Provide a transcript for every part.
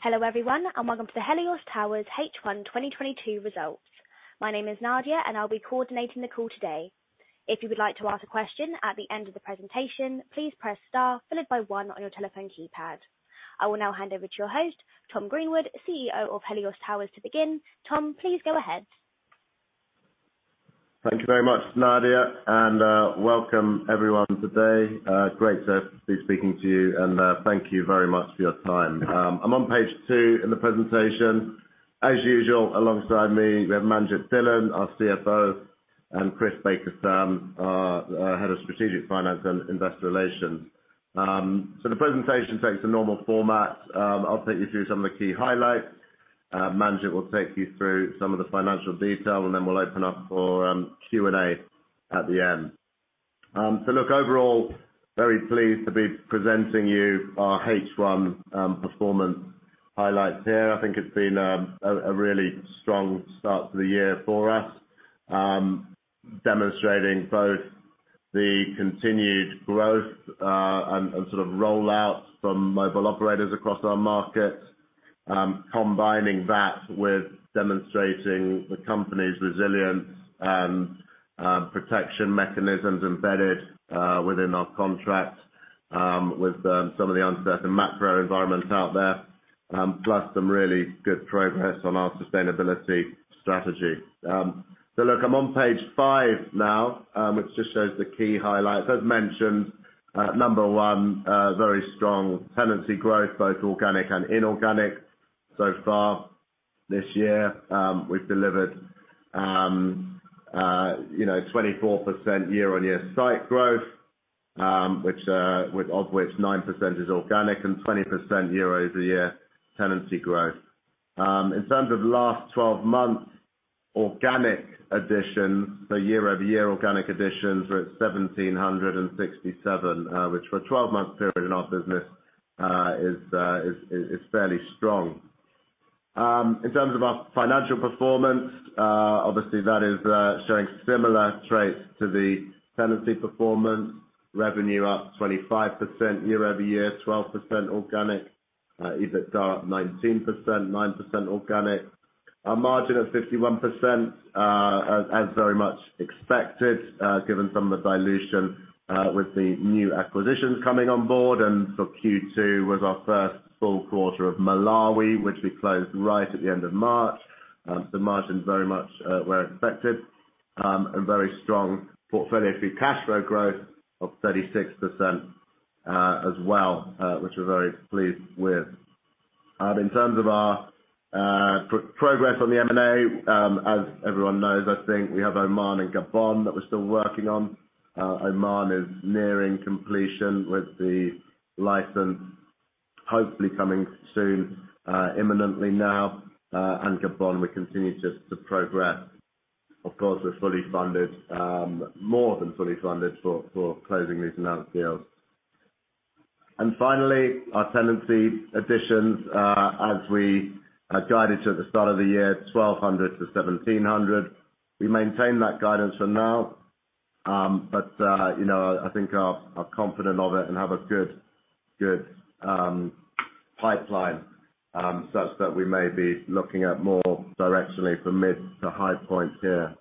Hello, everyone, and welcome to the Helios Towers H1 2022 results. My name is Nadia, and I'll be coordinating the call today. If you would like to ask a question at the end of the presentation, please press star followed by one on your telephone keypad. I will now hand over to your host, Tom Greenwood, CEO of Helios Towers, to begin. Tom, please go ahead. Thank you very much, Nadia. Welcome everyone today. Great to be speaking to you, and thank you very much for your time. I'm on page two in the presentation. As usual, alongside me, we have Manjit Dhillon, our CFO, and Chris Baker-Sams, our Head of Strategic Finance and Investor Relations. The presentation takes a normal format. I'll take you through some of the key highlights. Manjit will take you through some of the financial detail, and then we'll open up for Q&A at the end. Overall, very pleased to be presenting you our H1 performance highlights here. I think it's been a really strong start to the year for us, demonstrating both the continued growth and sort of rollouts from mobile operators across our markets, combining that with demonstrating the company's resilience and protection mechanisms embedded within our contracts with some of the uncertain macro environments out there, plus some really good progress on our sustainability strategy. Look, I'm on page five now, which just shows the key highlights. As mentioned, number one, very strong tenancy growth, both organic and inorganic. So far this year, we've delivered, you know, 24% year-over-year site growth, of which 9% is organic and 20% year-over-year tenancy growth. In terms of the last 12 months, organic additions, so year-over-year organic additions were at 1,767, which for a 12-month period in our business, is fairly strong. In terms of our financial performance, obviously that is showing similar traits to the tenancy performance. Revenue up 25% year-over-year, 12% organic. EBITDA up 19%, 9% organic. Our margin at 51%, as very much expected, given some of the dilution with the new acquisitions coming on board. Q2 was our first full quarter of Malawi, which we closed right at the end of March. Margins very much where expected. Very strong portfolio free cash flow growth of 36%, as well, which we're very pleased with. In terms of our progress on the M&A, as everyone knows, I think we have Oman and Gabon that we're still working on. Oman is nearing completion with the license hopefully coming soon, imminently now. Gabon, we continue just to progress. Of course, we're fully funded, more than fully funded for closing these announced deals. Finally, our tenancy additions, as we had guided to at the start of the year, 1,200-1,700. We maintain that guidance for now, but you know, I think are confident of it and have a good pipeline, such that we may be looking at more directionally for mid to high points here.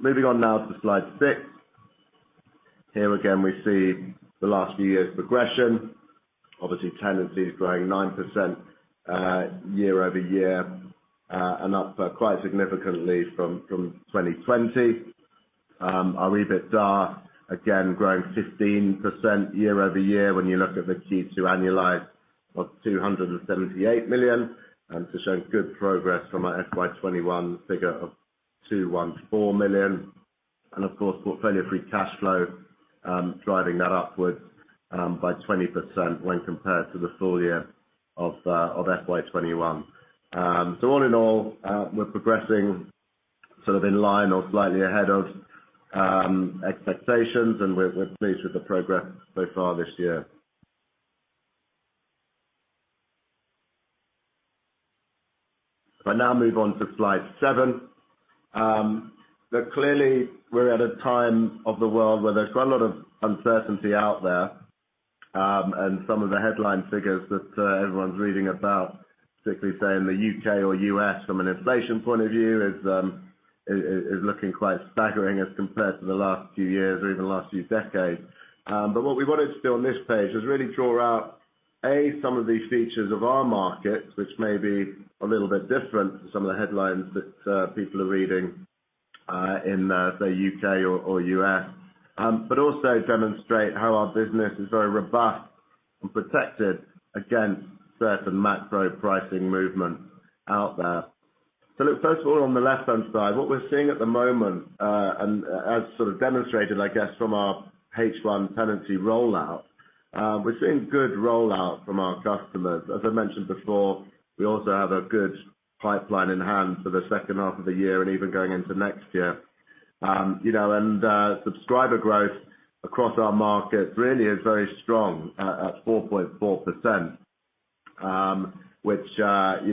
Moving on now to slide six. Here again, we see the last few years' progression. Obviously, tenancy is growing 9% year-over-year and up quite significantly from 2020. Our EBITDA, again, growing 15% year-over-year, when you look at the Q2 annualized of $278 million. This is showing good progress from our FY 2021 figure of $214 million. Of course, portfolio free cash flow driving that upwards by 20% when compared to the full year of FY 2021. All in all, we're progressing sort of in line or slightly ahead of expectations, and we're pleased with the progress so far this year. If I now move on to slide seven. Clearly we're at a time of the world where there's quite a lot of uncertainty out there, and some of the headline figures that everyone's reading about, particularly, say, in the U.K. or U.S. from an inflation point of view is looking quite staggering as compared to the last few years or even the last few decades. What we wanted to do on this page is really draw out a some of these features of our markets, which may be a little bit different to some of the headlines that people are reading, in, say, U.K. or U.S. Also demonstrate how our business is very robust and protected against certain macro pricing movement out there. Look, first of all, on the left-hand side, what we're seeing at the moment, and as sort of demonstrated, I guess, from our H1 tenancy rollout, we're seeing good rollout from our customers. As I mentioned before, we also have a good pipeline in hand for the second half of the year and even going into next year. You know, subscriber growth across our market really is very strong at 4.4%. Which, you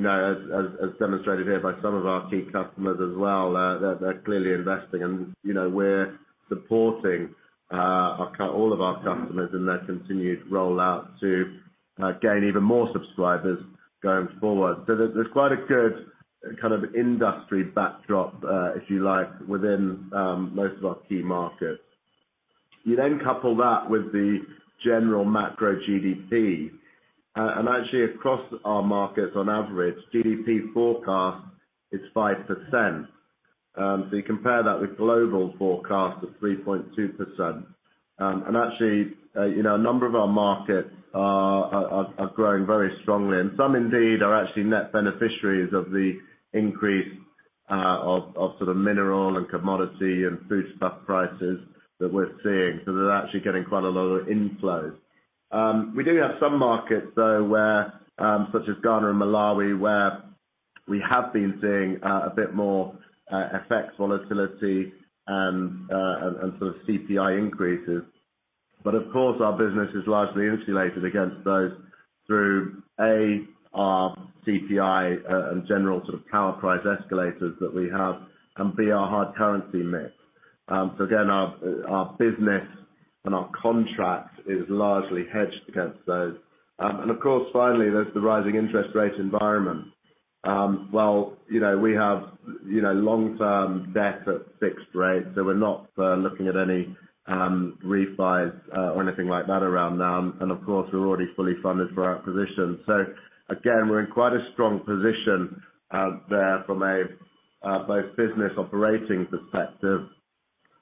know, as demonstrated here by some of our key customers as well, they're clearly investing. You know, we're supporting all of our customers in their continued rollout to gain even more subscribers going forward. There's quite a good kind of industry backdrop, if you like, within most of our key markets. You couple that with the general macro GDP. Actually across our markets on average, GDP forecast is 5%. You compare that with global forecast of 3.2%. Actually, you know, a number of our markets are growing very strongly. Some indeed are actually net beneficiaries of the increase of sort of mineral and commodity and food stuff prices that we're seeing. They're actually getting quite a lot of inflows. We do have some markets though, such as Ghana and Malawi, where we have been seeing a bit more FX volatility and sort of CPI increases. Of course, our business is largely insulated against those through, A, our CPI and general sort of power price escalators that we have, and B, our hard currency mix. Again, our business and our contracts is largely hedged against those. Of course, finally, there's the rising interest rate environment. Well, you know, we have, you know, long-term debt at fixed rates, so we're not looking at any refis or anything like that around them. Of course, we're already fully funded for our position. Again, we're in quite a strong position there from a both business operating perspective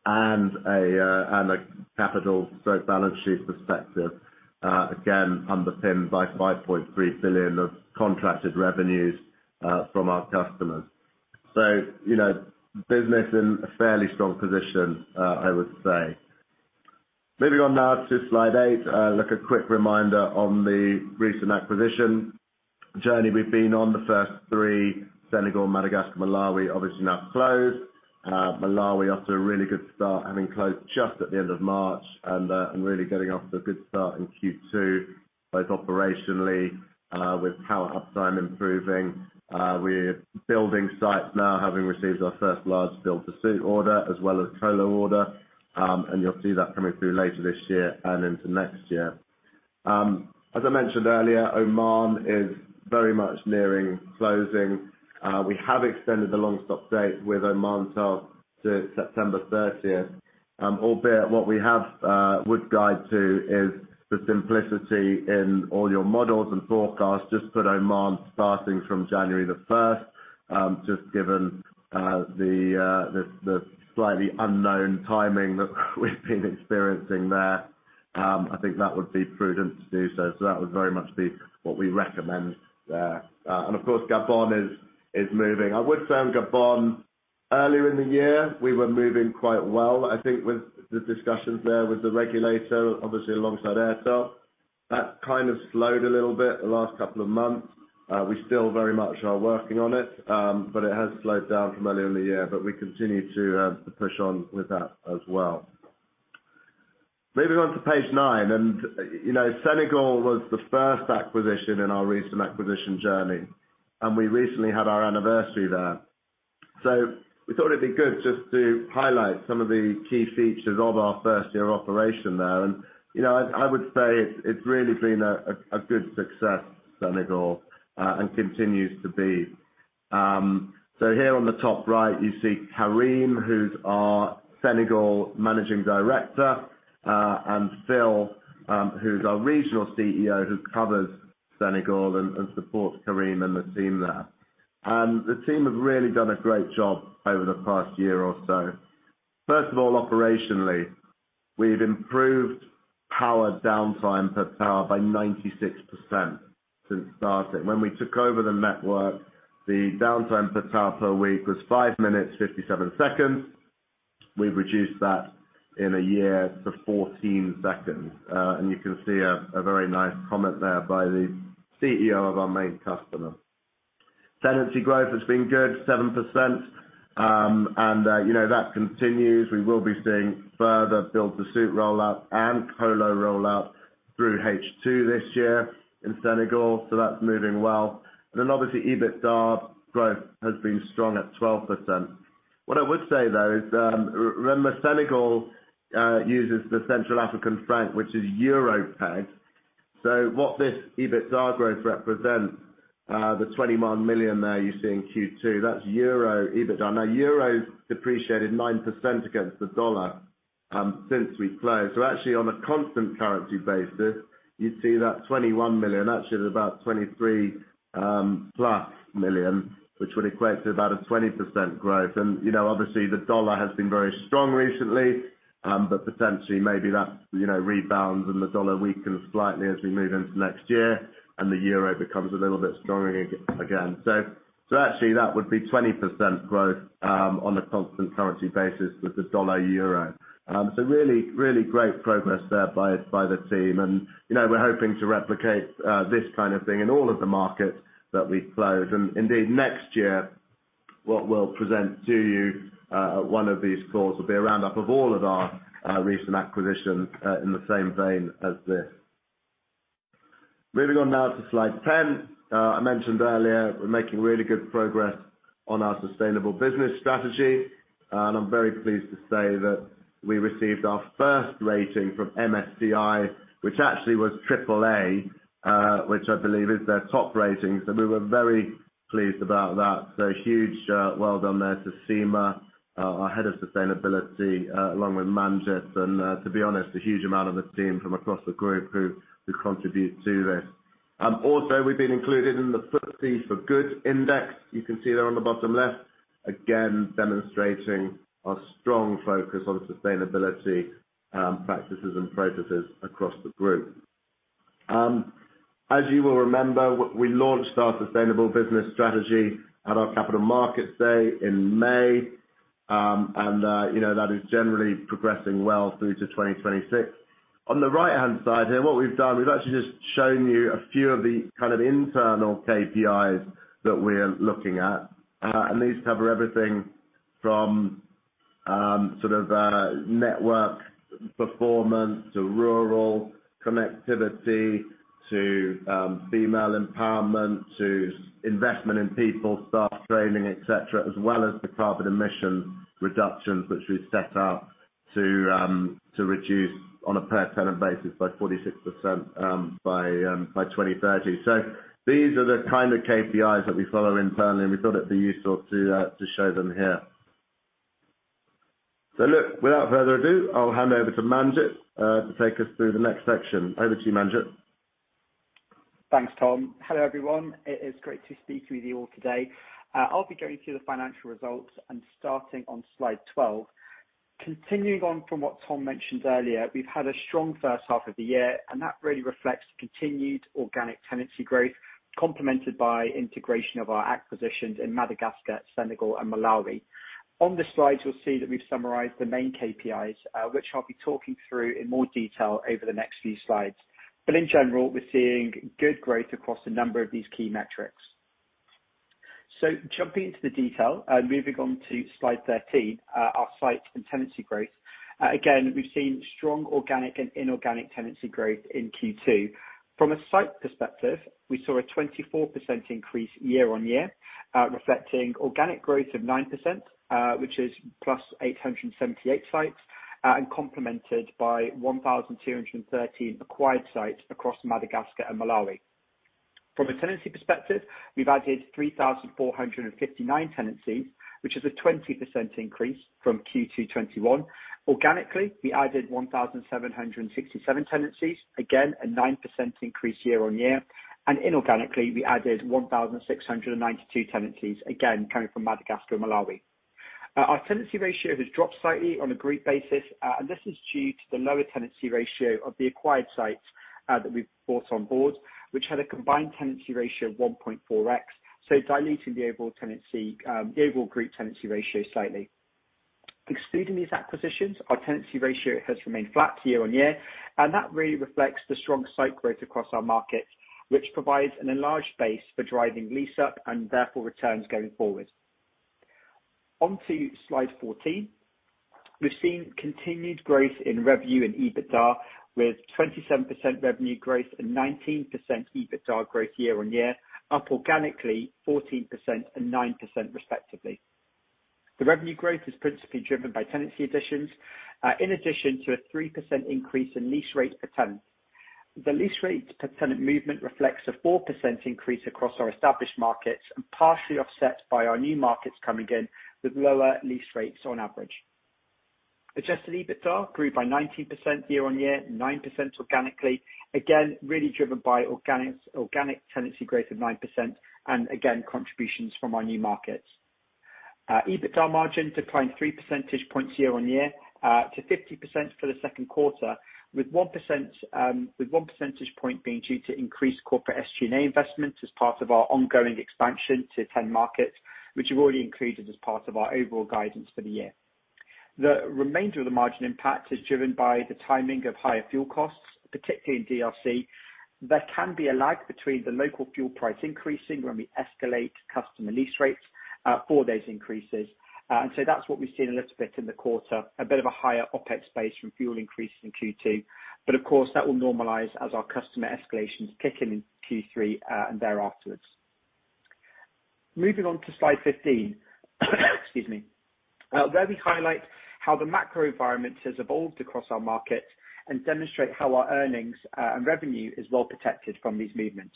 and a capital, so balance sheet perspective, again, underpinned by $5.3 billion of contracted revenues from our customers. You know, the business in a fairly strong position, I would say. Moving on now to slide eight. Look, a quick reminder on the recent acquisition journey we've been on. The first three, Senegal, Madagascar, Malawi, obviously now closed. Malawi off to a really good start, having closed just at the end of March, and really getting off to a good start in Q2, both operationally, with power uptime improving. We're building sites now, having received our first large Build to Suit order, as well as Colo order. You'll see that coming through later this year and into next year. As I mentioned earlier, Oman is very much nearing closing. We have extended the long-stop date with Oman to September 30th. Albeit what we have would guide to is the simplicity in all your models and forecasts, just put Oman starting from January the 1st. Just given the slightly unknown timing that we've been experiencing there. I think that would be prudent to do so. That would very much be what we recommend there. Of course, Gabon is moving. I would say on Gabon, earlier in the year, we were moving quite well. I think with the discussions there with the regulator, obviously alongside Airtel, that kind of slowed a little bit the last couple of months. We still very much are working on it. It has slowed down from earlier in the year, but we continue to push on with that as well. Moving on to page nine, you know, Senegal was the first acquisition in our recent acquisition journey, and we recently had our anniversary there. We thought it'd be good just to highlight some of the key features of our first year of operation there. You know, I would say it's really been a good success, Senegal, and continues to be. So here on the top right, you see Karim, who's our Senegal Managing Director, and Phil, who's our Regional CEO, who covers Senegal and supports Karim and the team there. The team have really done a great job over the past year or so. First of all, operationally, we've improved power downtime per tower by 96% since starting. When we took over the network, the downtime per tower per week was five minutes, 57 seconds. We've reduced that in a year to 14 seconds. And you can see a very nice comment there by the CEO of our main customer. Tenancy growth has been good, 7%. And you know, that continues. We will be seeing further Build to Suit rollout and Colo rollout through H2 this year in Senegal, so that's moving well. Then obviously, EBITDA growth has been strong at 12%. What I would say though is, remember Senegal uses the Central African franc, which is euro-pegged. What this EBITDA growth represents, the 21 million there you see in Q2, that's euro EBITDA. Now, euro's depreciated 9% against the dollar since we closed. Actually, on a constant currency basis, you'd see that $21 million, actually at about $23+ million, which would equate to about a 20% growth. You know, obviously, the dollar has been very strong recently. Potentially, maybe that rebounds and the dollar weakens slightly as we move into next year and the euro becomes a little bit stronger again. Actually, that would be 20% growth on a constant currency basis with the dollar/euro. Really great progress there by the team. You know, we're hoping to replicate this kind of thing in all of the markets that we close. Indeed, next year. What we'll present to you at one of these calls will be a round-up of all of our recent acquisitions in the same vein as this. Moving on now to slide 10. I mentioned earlier, we're making really good progress on our sustainable business strategy, and I'm very pleased to say that we received our first rating from MSCI, which actually was Triple A, which I believe is their top rating. We were very pleased about that. Huge well done there to Seema, our head of sustainability, along with Manjit. To be honest, a huge amount of the team from across the group who contributed to this. Also, we've been included in the FTSE4Good index. You can see there on the bottom left, again, demonstrating our strong focus on sustainability practices and processes across the group. As you will remember, we launched our sustainable business strategy at our capital markets day in May. You know, that is generally progressing well through to 2026. On the right-hand side here, what we've done, we've actually just shown you a few of the kind of internal KPIs that we're looking at. These cover everything from sort of network performance to rural connectivity to female empowerment, to investment in people, staff training, et cetera, as well as the carbon emission reductions, which we've set up to reduce on a per tenant basis by 46% by 2030. These are the kind of KPIs that we follow internally, and we thought it'd be useful to show them here. Look, without further ado, I'll hand over to Manjit to take us through the next section. Over to you, Manjit. Thanks, Tom. Hello, everyone. It is great to speak with you all today. I'll be going through the financial results and starting on slide 12. Continuing on from what Tom mentioned earlier, we've had a strong first half of the year, and that really reflects continued organic tenancy growth, complemented by integration of our acquisitions in Madagascar, Senegal, and Malawi. On this slide, you'll see that we've summarized the main KPIs, which I'll be talking through in more detail over the next few slides. In general, we're seeing good growth across a number of these key metrics. Jumping into the detail, moving on to slide 13, our site and tenancy growth. Again, we've seen strong organic and inorganic tenancy growth in Q2. From a site perspective, we saw a 24% increase year-on-year, reflecting organic growth of 9%, which is +878 sites, and complemented by 1,213 acquired sites across Madagascar and Malawi. From a tenancy perspective, we've added 3,459 tenancies, which is a 20% increase from Q2 2021. Organically, we added 1,767 tenancies, again, a 9% increase year-on-year. Inorganically, we added 1,692 tenancies, again, coming from Madagascar and Malawi. Our tenancy ratio has dropped slightly on a group basis, and this is due to the lower tenancy ratio of the acquired sites that we've brought on board, which had a combined tenancy ratio of 1.4x, so diluting the overall tenancy, the overall group tenancy ratio slightly. Excluding these acquisitions, our tenancy ratio has remained flat year-on-year, and that really reflects the strong site growth across our markets, which provides an enlarged base for driving lease up and therefore returns going forward. On to slide 14. We've seen continued growth in revenue and EBITDA with 27% revenue growth and 19% EBITDA growth year-on-year, up organically 14% and 9% respectively. The revenue growth is principally driven by tenancy additions, in addition to a 3% increase in lease rates per tenant. The lease rates per tenant movement reflects a 4% increase across our established markets and partially offset by our new markets coming in with lower lease rates on average. Adjusted EBITDA grew by 19% year-on-year, 9% organically. Again, really driven by organic tenancy growth of 9% and again, contributions from our new markets. EBITDA margin declined 3 percentage points year-on-year to 50% for the second quarter, with one percentage point being due to increased corporate SG&A investments as part of our ongoing expansion to 10 markets which we've already included as part of our overall guidance for the year. The remainder of the margin impact is driven by the timing of higher fuel costs, particularly in DRC. There can be a lag between the local fuel price increasing when we escalate customer lease rates for those increases. That's what we've seen a little bit in the quarter, a bit of a higher OpEx base from fuel increases in Q2. That will normalize as our customer escalations kick in in Q3 and thereafter. Moving on to slide 15. Excuse me. We highlight how the macro environment has evolved across our markets and demonstrate how our earnings and revenue is well protected from these movements.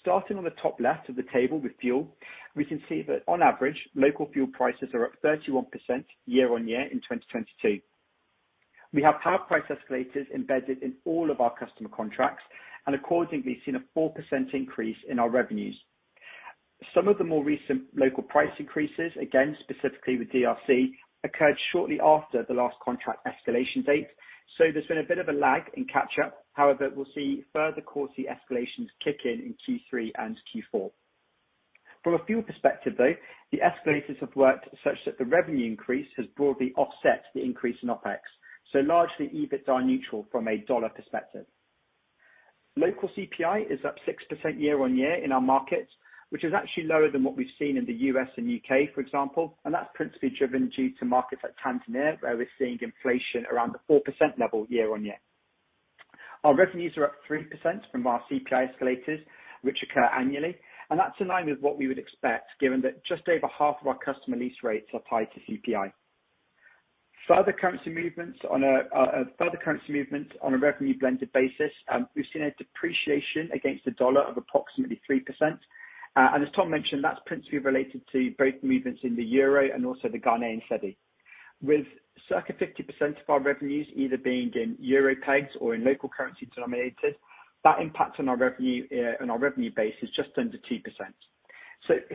Starting on the top left of the table with fuel, we can see that on average, local fuel prices are up 31% year-on-year in 2022. We have power price escalators embedded in all of our customer contracts and accordingly seen a 4% increase in our revenues. Some of the more recent local price increases, again, specifically with DRC, occurred shortly after the last contract escalation date, so there's been a bit of a lag in catch up. However, we'll see further quarterly escalations kick in in Q3 and Q4. From a fuel perspective, though, the escalators have worked such that the revenue increase has broadly offset the increase in OpEx, so largely, EBITs are neutral from a dollar perspective. Local CPI is up 6% year-on-year in our markets, which is actually lower than what we've seen in the U.S. and U.K., for example, and that's principally driven due to markets like Tanzania, where we're seeing inflation around the 4% level year-on-year. Our revenues are up 3% from our CPI escalators, which occur annually, and that's in line with what we would expect, given that just over half of our customer lease rates are tied to CPI. Further currency movements on a revenue blended basis, we've seen a depreciation against the dollar of approximately 3%. As Tom mentioned, that's principally related to both movements in the euro and also the Ghanaian cedi. With circa 50% of our revenues either being in euro pegs or in local currency denominated, that impacts on our revenue base is just under 2%.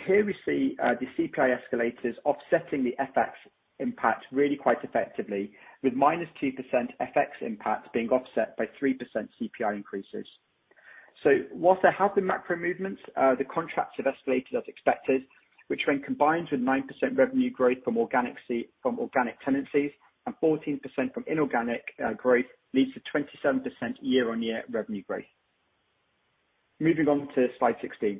Here we see the CPI escalators offsetting the FX impact really quite effectively with -2% FX impacts being offset by 3% CPI increases. While there have been macro movements, the contracts have escalated as expected, which when combined with 9% revenue growth from organic tenancies and 14% from inorganic growth, leads to 27% year-on-year revenue growth. Moving on to slide 16.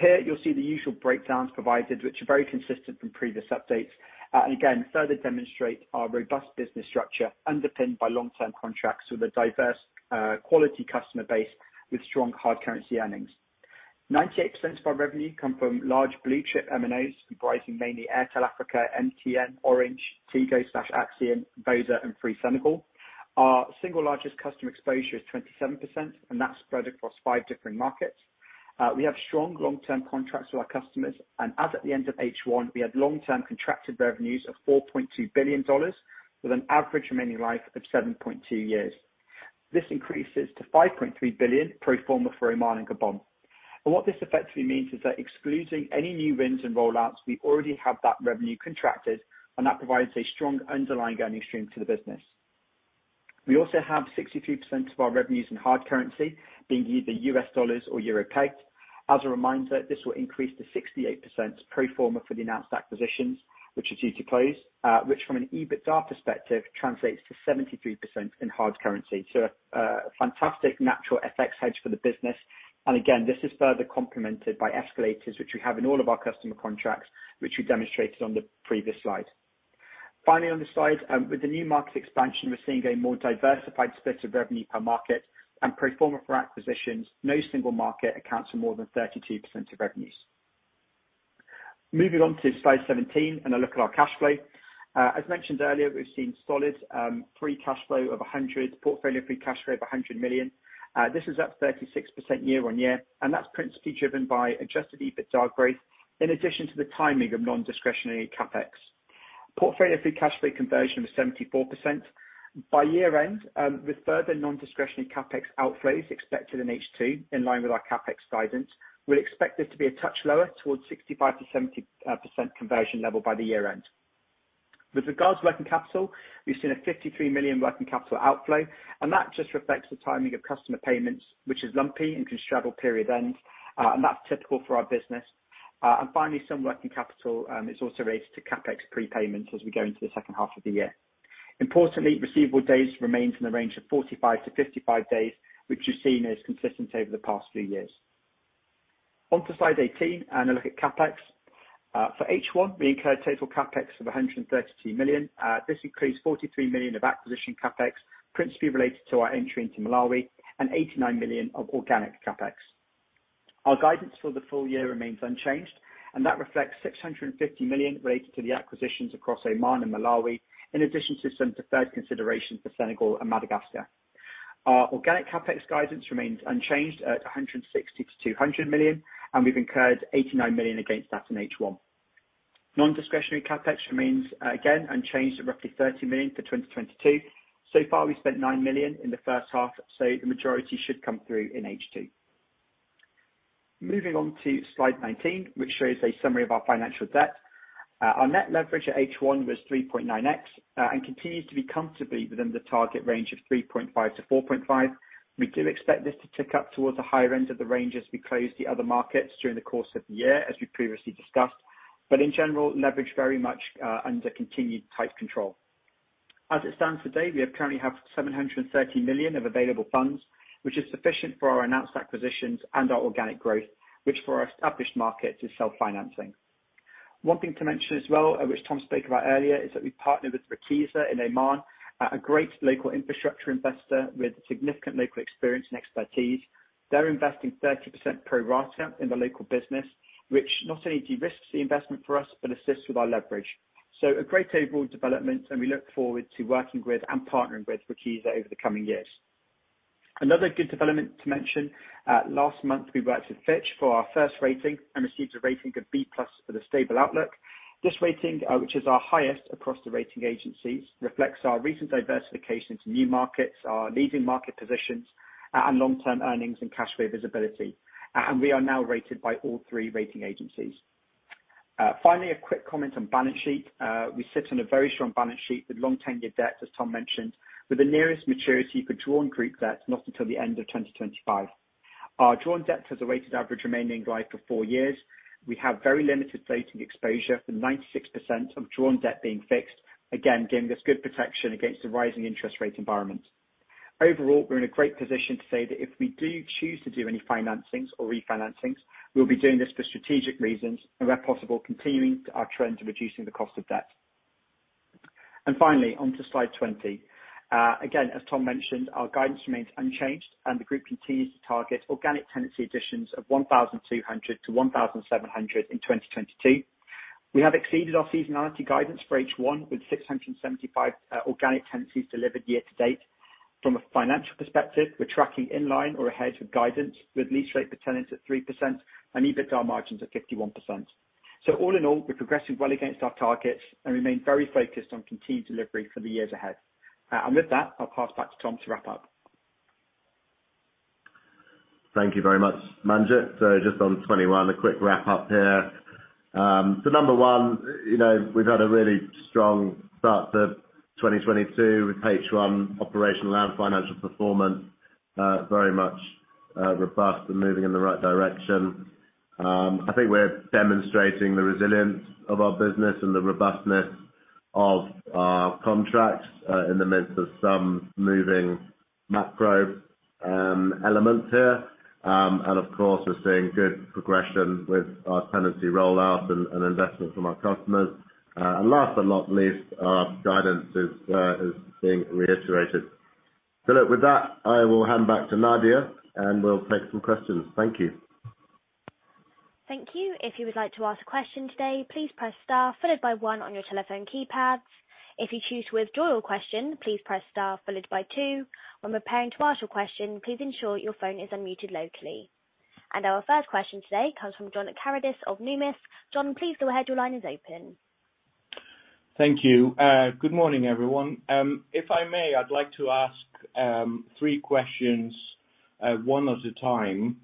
Here you'll see the usual breakdowns provided, which are very consistent from previous updates, and again, further demonstrate our robust business structure underpinned by long-term contracts with a diverse quality customer base with strong hard currency earnings. 98% of our revenue come from large blue chip MNOs comprising mainly Airtel Africa, MTN, Orange, Tigo/AXIAN, Vodacom, and Free Senegal. Our single largest customer exposure is 27%, and that's spread across five different markets. We have strong long-term contracts with our customers, and as at the end of H1, we had long-term contracted revenues of $4.2 billion with an average remaining life of 7.2 years. This increases to $5.3 billion pro forma for Oman and Gabon. What this effectively means is that excluding any new wins and rollouts, we already have that revenue contracted, and that provides a strong underlying earning stream to the business. We also have 63% of our revenues in hard currency being either U.S. dollars or euro-pegged. As a reminder, this will increase to 68% pro forma for the announced acquisitions, which are due to close, which from an EBITDA perspective translates to 73% in hard currency. A fantastic natural FX hedge for the business. This is further complemented by escalators, which we have in all of our customer contracts, which we demonstrated on the previous slide. Finally, on the slide, with the new market expansion, we're seeing a more diversified split of revenue per market and pro forma for acquisitions, no single market accounts for more than 32% of revenues. Moving on to slide 17 and a look at our cash flow. As mentioned earlier, we've seen solid free cash flow of portfolio free cash flow of $100 million. This is up 36% year-on-year, and that's principally driven by Adjusted EBITDA growth in addition to the timing of non-discretionary CapEx. Portfolio free cash flow conversion was 74%. By year end, with further non-discretionary CapEx outflows expected in H2, in line with our CapEx guidance, we'll expect this to be a touch lower towards 65%-70% conversion level by the year end. With regards to working capital, we've seen a $53 million working capital outflow, and that just reflects the timing of customer payments, which is lumpy and can travel period end, and that's typical for our business. Finally, some working capital is also related to CapEx prepayments as we go into the second half of the year. Importantly, receivable days remains in the range of 45-55 days, which we've seen is consistent over the past few years. On to slide 18 and a look at CapEx. For H1, we incurred total CapEx of $132 million. This includes $43 million of acquisition CapEx, principally related to our entry into Malawi and $89 million of organic CapEx. Our guidance for the full year remains unchanged, and that reflects $650 million related to the acquisitions across Oman and Malawi, in addition to some deferred consideration for Senegal and Madagascar. Our organic CapEx guidance remains unchanged at $160 million-$200 million, and we've incurred $89 million against that in H1. Non-discretionary CapEx remains, again, unchanged at roughly $30 million for 2022. So far, we've spent $9 million in the first half, so the majority should come through in H2. Moving on to slide 19, which shows a summary of our financial debt. Our net leverage at H1 was 3.9x and continues to be comfortably within the target range of 3.5x-4.5x. We do expect this to tick up towards the higher end of the range as we close the other markets during the course of the year, as we previously discussed. In general, leverage very much under continued tight control. As it stands today, we currently have $730 million of available funds, which is sufficient for our announced acquisitions and our organic growth, which for our established markets is self-financing. One thing to mention as well, which Tom spoke about earlier, is that we partnered with Rakiza in Oman, a great local infrastructure investor with significant local experience and expertise. They're investing 30% pro rata in the local business, which not only de-risks the investment for us, but assists with our leverage. A great overall development, and we look forward to working with and partnering with Rakiza over the coming years. Another good development to mention, last month, we worked with Fitch for our first rating and received a rating of B+ with a stable outlook. This rating, which is our highest across the rating agencies, reflects our recent diversification into new markets, our leading market positions, and long-term earnings and cash flow visibility. We are now rated by all three rating agencies. Finally, a quick comment on balance sheet. We sit on a very strong balance sheet with long tenor debt, as Tom mentioned, with the nearest maturity for drawn group debt not until the end of 2025. Our drawn debt has a weighted average remaining life of four years. We have very limited floating exposure, with 96% of drawn debt being fixed, again, giving us good protection against the rising interest rate environment. Overall, we're in a great position to say that if we do choose to do any financings or refinancings, we'll be doing this for strategic reasons, and where possible, continuing our trend to reducing the cost of debt. Finally, on to slide 20. Again, as Tom mentioned, our guidance remains unchanged, and the group continues to target organic tenancy additions of 1,200-1,700 in 2022. We have exceeded our seasonality guidance for H1, with 675 organic tenancies delivered year to date. From a financial perspective, we're tracking in line or ahead of guidance with lease rate per tenant at 3% and EBITDA margins at 51%. All in all, we're progressing well against our targets and remain very focused on continued delivery for the years ahead. With that, I'll pass back to Tom to wrap up. Thank you very much, Manjit. Just on 2021, a quick wrap up here. Number one, you know, we've had a really strong start to 2022 with H1 operational and financial performance very much robust and moving in the right direction. I think we're demonstrating the resilience of our business and the robustness of our contracts in the midst of some moving macro elements here. Of course, we're seeing good progression with our tenancy rollout and investment from our customers. Last but not least, our guidance is being reiterated. Look, with that, I will hand back to Nadia, and we'll take some questions. Thank you. Thank you. If you would like to ask a question today, please press star followed by one on your telephone keypads. If you choose to withdraw your question, please press star followed by two. When preparing to ask your question, please ensure your phone is unmuted locally. Our first question today comes from John Karidis of Numis. John, please go ahead. Your line is open. Thank you. Good morning, everyone. If I may, I'd like to ask three questions, one at a time.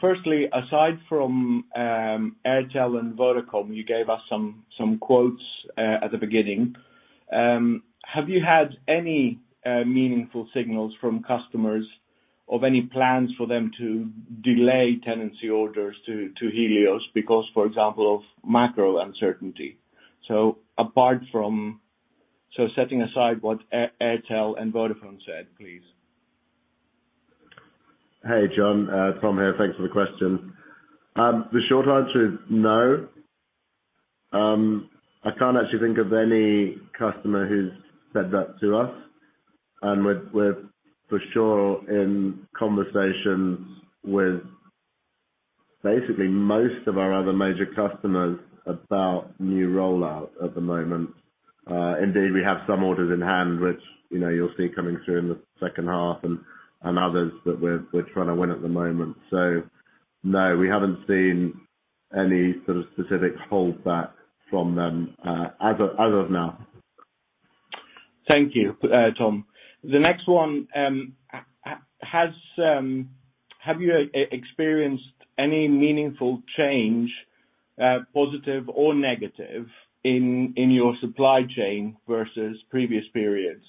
Firstly, aside from Airtel and Vodacom, you gave us some quotes at the beginning. Have you had any meaningful signals from customers of any plans for them to delay tenancy orders to Helios because, for example, of macro uncertainty? Setting aside what Airtel and Vodafone said, please. Hey, John. Tom here. Thanks for the question. The short answer is no. I can't actually think of any customer who's said that to us. We're for sure in conversations with basically most of our other major customers about new rollout at the moment. Indeed, we have some orders in hand which, you know, you'll see coming through in the second half, and others that we're trying to win at the moment. No, we haven't seen any sort of specific holdback from them, as of now. Thank you, Tom. The next one, have you experienced any meaningful change, positive or negative in your supply chain versus previous periods?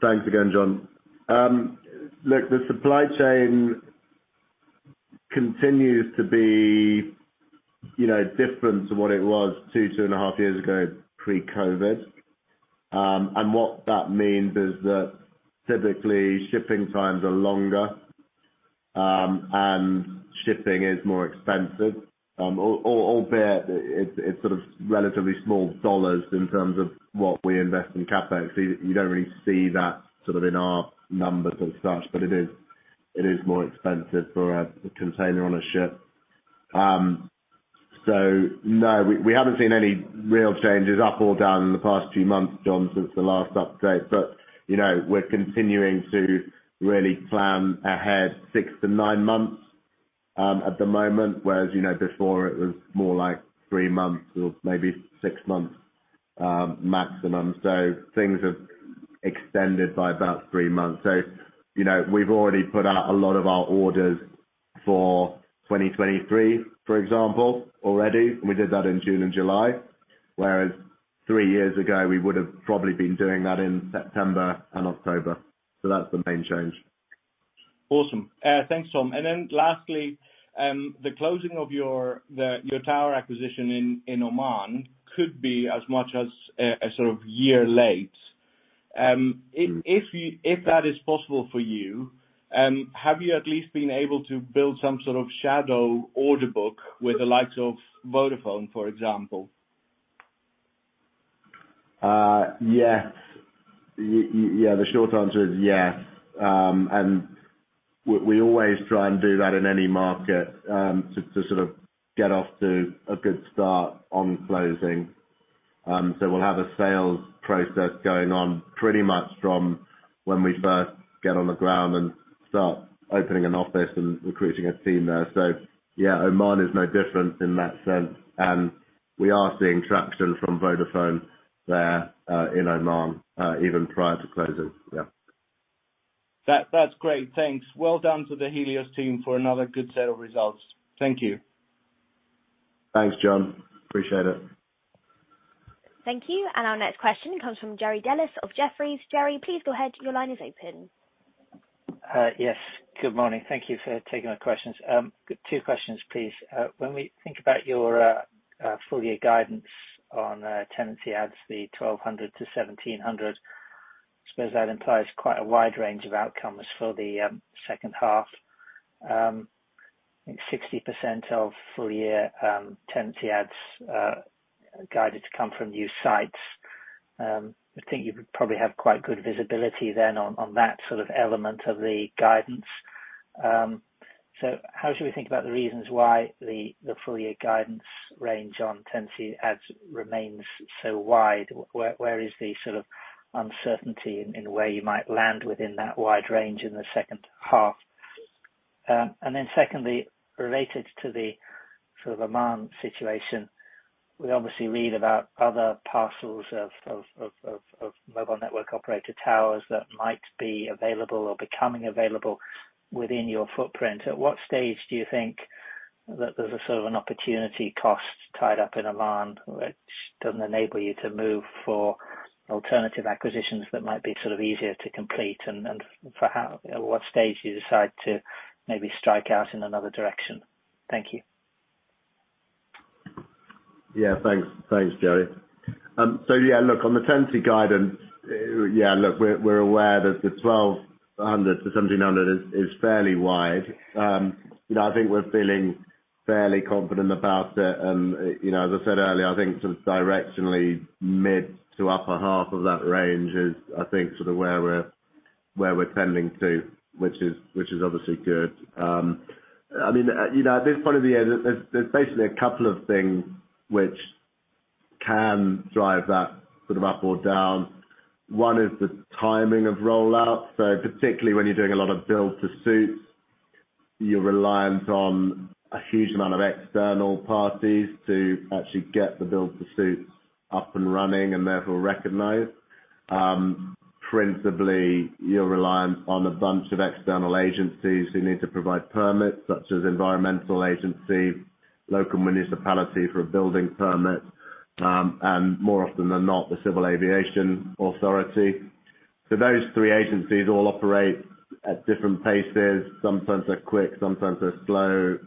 Thanks again, John. Look, the supply chain continues to be, you know, different to what it was 2.5 years ago pre-COVID. What that means is that typically shipping times are longer, and shipping is more expensive. Albeit it's sort of relatively small dollars in terms of what we invest in CapEx. You don't really see that sort of in our numbers as such, but it is. It is more expensive for a container on a ship. No, we haven't seen any real changes up or down in the past few months, John, since the last update. You know, we're continuing to really plan ahead six to nine months at the moment, whereas, you know, before it was more like three months or maybe six months maximum. Things have extended by about three months. You know, we've already put out a lot of our orders for 2023, for example, already. We did that in June and July. Whereas three years ago, we would have probably been doing that in September and October. That's the main change. Awesome. Thanks, Tom. Lastly, the closing of your tower acquisition in Oman could be as much as a sort of year late. If that is possible for you, have you at least been able to build some sort of shadow order book with the likes of Vodafone, for example? Yes. Yeah, the short answer is yes. We always try and do that in any market, to sort of get off to a good start on closing. We'll have a sales process going on pretty much from when we first get on the ground and start opening an office and recruiting a team there. Yeah, Oman is no different in that sense. We are seeing traction from Vodafone there, in Oman, even prior to closing. Yeah. That, that's great. Thanks. Well done to the Helios team for another good set of results. Thank you. Thanks, John. Appreciate it. Thank you. Our next question comes from Jerry Dellis of Jefferies. Jerry, please go ahead. Your line is open. Yes, good morning. Thank you for taking my questions. Two questions, please. When we think about your full year guidance on tenancy adds, the 1,200-1,700, suppose that implies quite a wide range of outcomes for the second half. 60% of full year tenancy adds guided to come from new sites. I think you probably have quite good visibility then on that sort of element of the guidance. How should we think about the reasons why the full year guidance range on tenancy adds remains so wide? Where is the sort of uncertainty in where you might land within that wide range in the second half? Secondly, related to the sort of Oman situation, we obviously read about other parcels of mobile network operator towers that might be available or becoming available within your footprint. At what stage do you think that there's a sort of an opportunity cost tied up in Oman which doesn't enable you to move for alternative acquisitions that might be sort of easier to complete and at what stage do you decide to maybe strike out in another direction? Thank you. Yeah. Thanks, Jerry. So yeah, look, on the tenancy guidance, yeah, look, we're aware that the 1,200-1,700 is fairly wide. You know, I think we're feeling fairly confident about it. You know, as I said earlier, I think sort of directionally mid to upper half of that range is, I think, sort of where we're tending to, which is obviously good. I mean, you know, at this point of the year, there's basically a couple of things which can drive that sort of up or down. One is the timing of rollout. Particularly when you're doing a lot of build to suits, you're reliant on a huge amount of external parties to actually get the build to suits up and running and therefore recognized. Principally, you're reliant on a bunch of external agencies who need to provide permits, such as environmental agency, local municipality for a building permit, and more often than not, the Civil Aviation Authority. Those three agencies all operate at different paces. Sometimes they're quick, sometimes they're slow.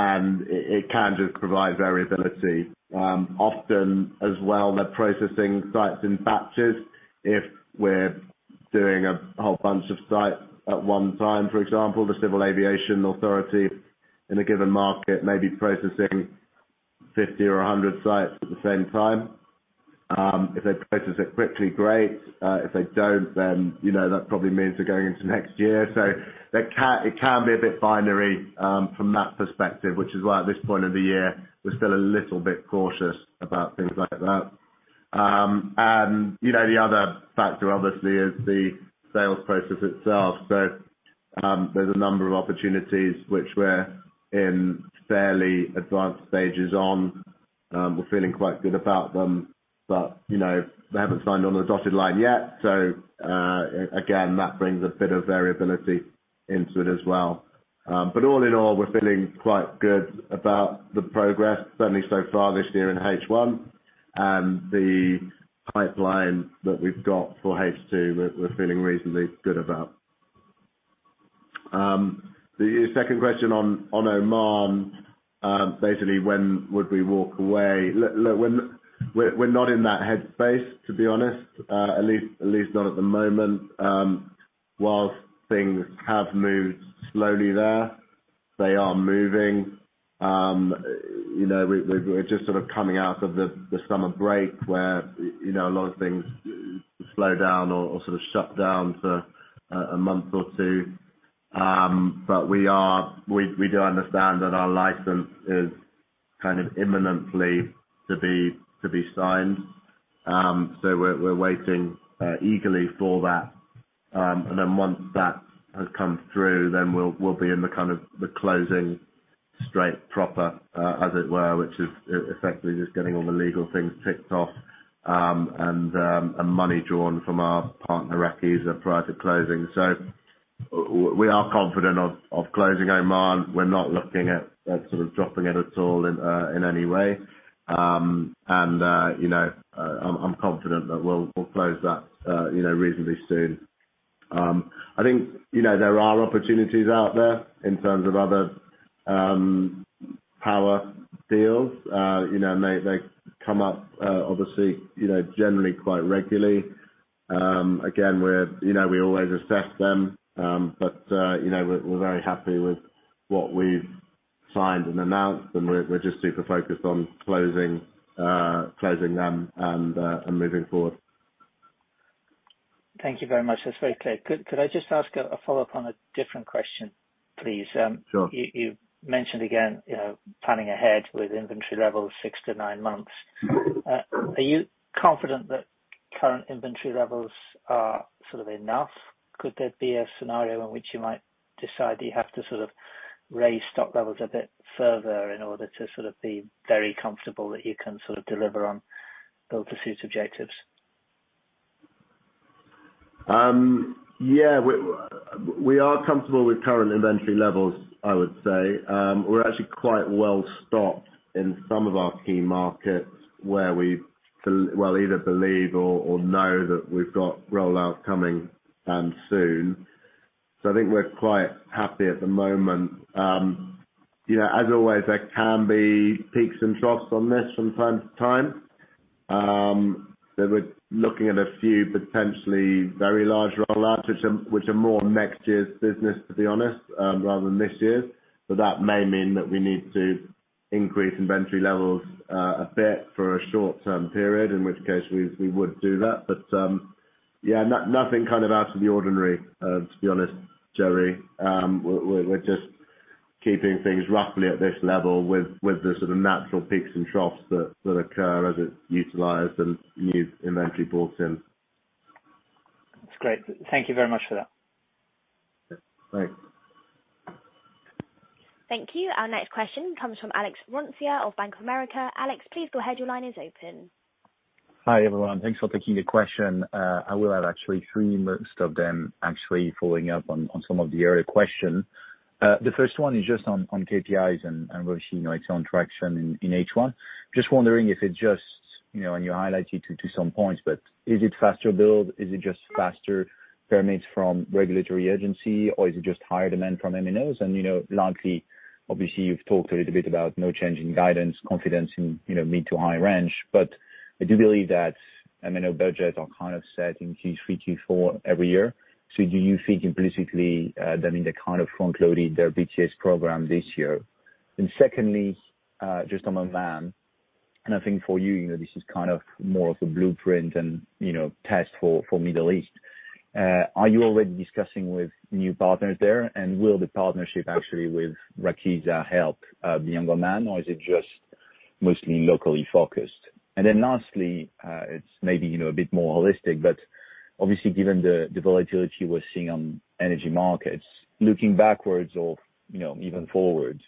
And it can just provide variability. Often as well, they're processing sites in batches. If we're doing a whole bunch of sites at one time, for example, the Civil Aviation Authority in a given market may be processing 50 or 100 sites at the same time. If they process it quickly, great. If they don't, then, you know, that probably means they're going into next year. It can be a bit binary from that perspective, which is why at this point of the year, we're still a little bit cautious about things like that. You know, the other factor, obviously is the sales process itself. There's a number of opportunities which we're in fairly advanced stages on. We're feeling quite good about them, but you know, they haven't signed on the dotted line yet. Again, that brings a bit of variability into it as well. All in all, we're feeling quite good about the progress, certainly so far this year in H1 and the pipeline that we've got for H2, we're feeling reasonably good about. The second question on Oman, basically, when would we walk away? We're not in that head space, to be honest. At least not at the moment. While things have moved slowly there, they are moving. You know, we're just sort of coming out of the summer break where, you know, a lot of things slow down or sort of shut down for a month or two. We do understand that our license is kind of imminently to be signed. We're waiting eagerly for that. Once that has come through, then we'll be in the kind of the closing straight proper, as it were, which is effectively just getting all the legal things ticked off, and money drawn from our partner, Rakiza, prior to closing. We are confident of closing Oman. We're not looking at sort of dropping it at all in any way. You know, I'm confident that we'll close that you know reasonably soon. I think, you know, there are opportunities out there in terms of other tower deals. You know, they come up obviously you know generally quite regularly. Again, you know, we always assess them. You know, we're very happy with what we've signed and announced and we're just super focused on closing them and moving forward. Thank you very much. That's very clear. Could I just ask a follow-up on a different question, please? Sure. You mentioned again, you know, planning ahead with inventory levels six to nine months. Mm-hmm. Are you confident that current inventory levels are sort of enough? Could there be a scenario in which you might decide that you have to sort of raise stock levels a bit further in order to sort of be very comfortable that you can sort of deliver on build to suit objectives? Yeah, we are comfortable with current inventory levels, I would say. We're actually quite well-stocked in some of our key markets where we either believe or know that we've got roll-outs coming soon. I think we're quite happy at the moment. You know, as always, there can be peaks and troughs on this from time to time. We're looking at a few potentially very large roll-outs which are more next year's business, to be honest, rather than this year's. That may mean that we need to increase inventory levels a bit for a short-term period, in which case we would do that. Yeah, nothing kind of out of the ordinary, to be honest, Jerry. We're just keeping things roughly at this level with the sort of natural peaks and troughs that occur as it's utilized and new inventory brought in. That's great. Thank you very much for that. Yep. Bye. Thank you. Our next question comes from Alex Roncier of Bank of America. Alex, please go ahead. Your line is open. Hi, everyone. Thanks for taking the question. I will have actually three, most of them actually following up on some of the earlier questions. The first one is just on KPIs and where, you know, it's on traction in H1. Just wondering if it just, you know, and you highlighted to some points, but is it faster build? Is it just faster permits from regulatory agency? Or is it just higher demand from MNOs? You know, largely, obviously, you've talked a little bit about no change in guidance, confidence in, you know, mid to high range. But I do believe that MNO budgets are kind of set in Q3, Q4 every year. Do you think implicitly that means they're kind of front-loading their BTS program this year? Secondly, just on Oman, and I think for you know, this is kind of more of the blueprint and, you know, test for Middle East. Are you already discussing with new partners there? Will the partnership actually with Rakiza help the Oman? Is it just mostly locally focused? Lastly, it's maybe, you know, a bit more holistic, but obviously given the volatility we're seeing on energy markets, looking backwards or, you know, even forwards,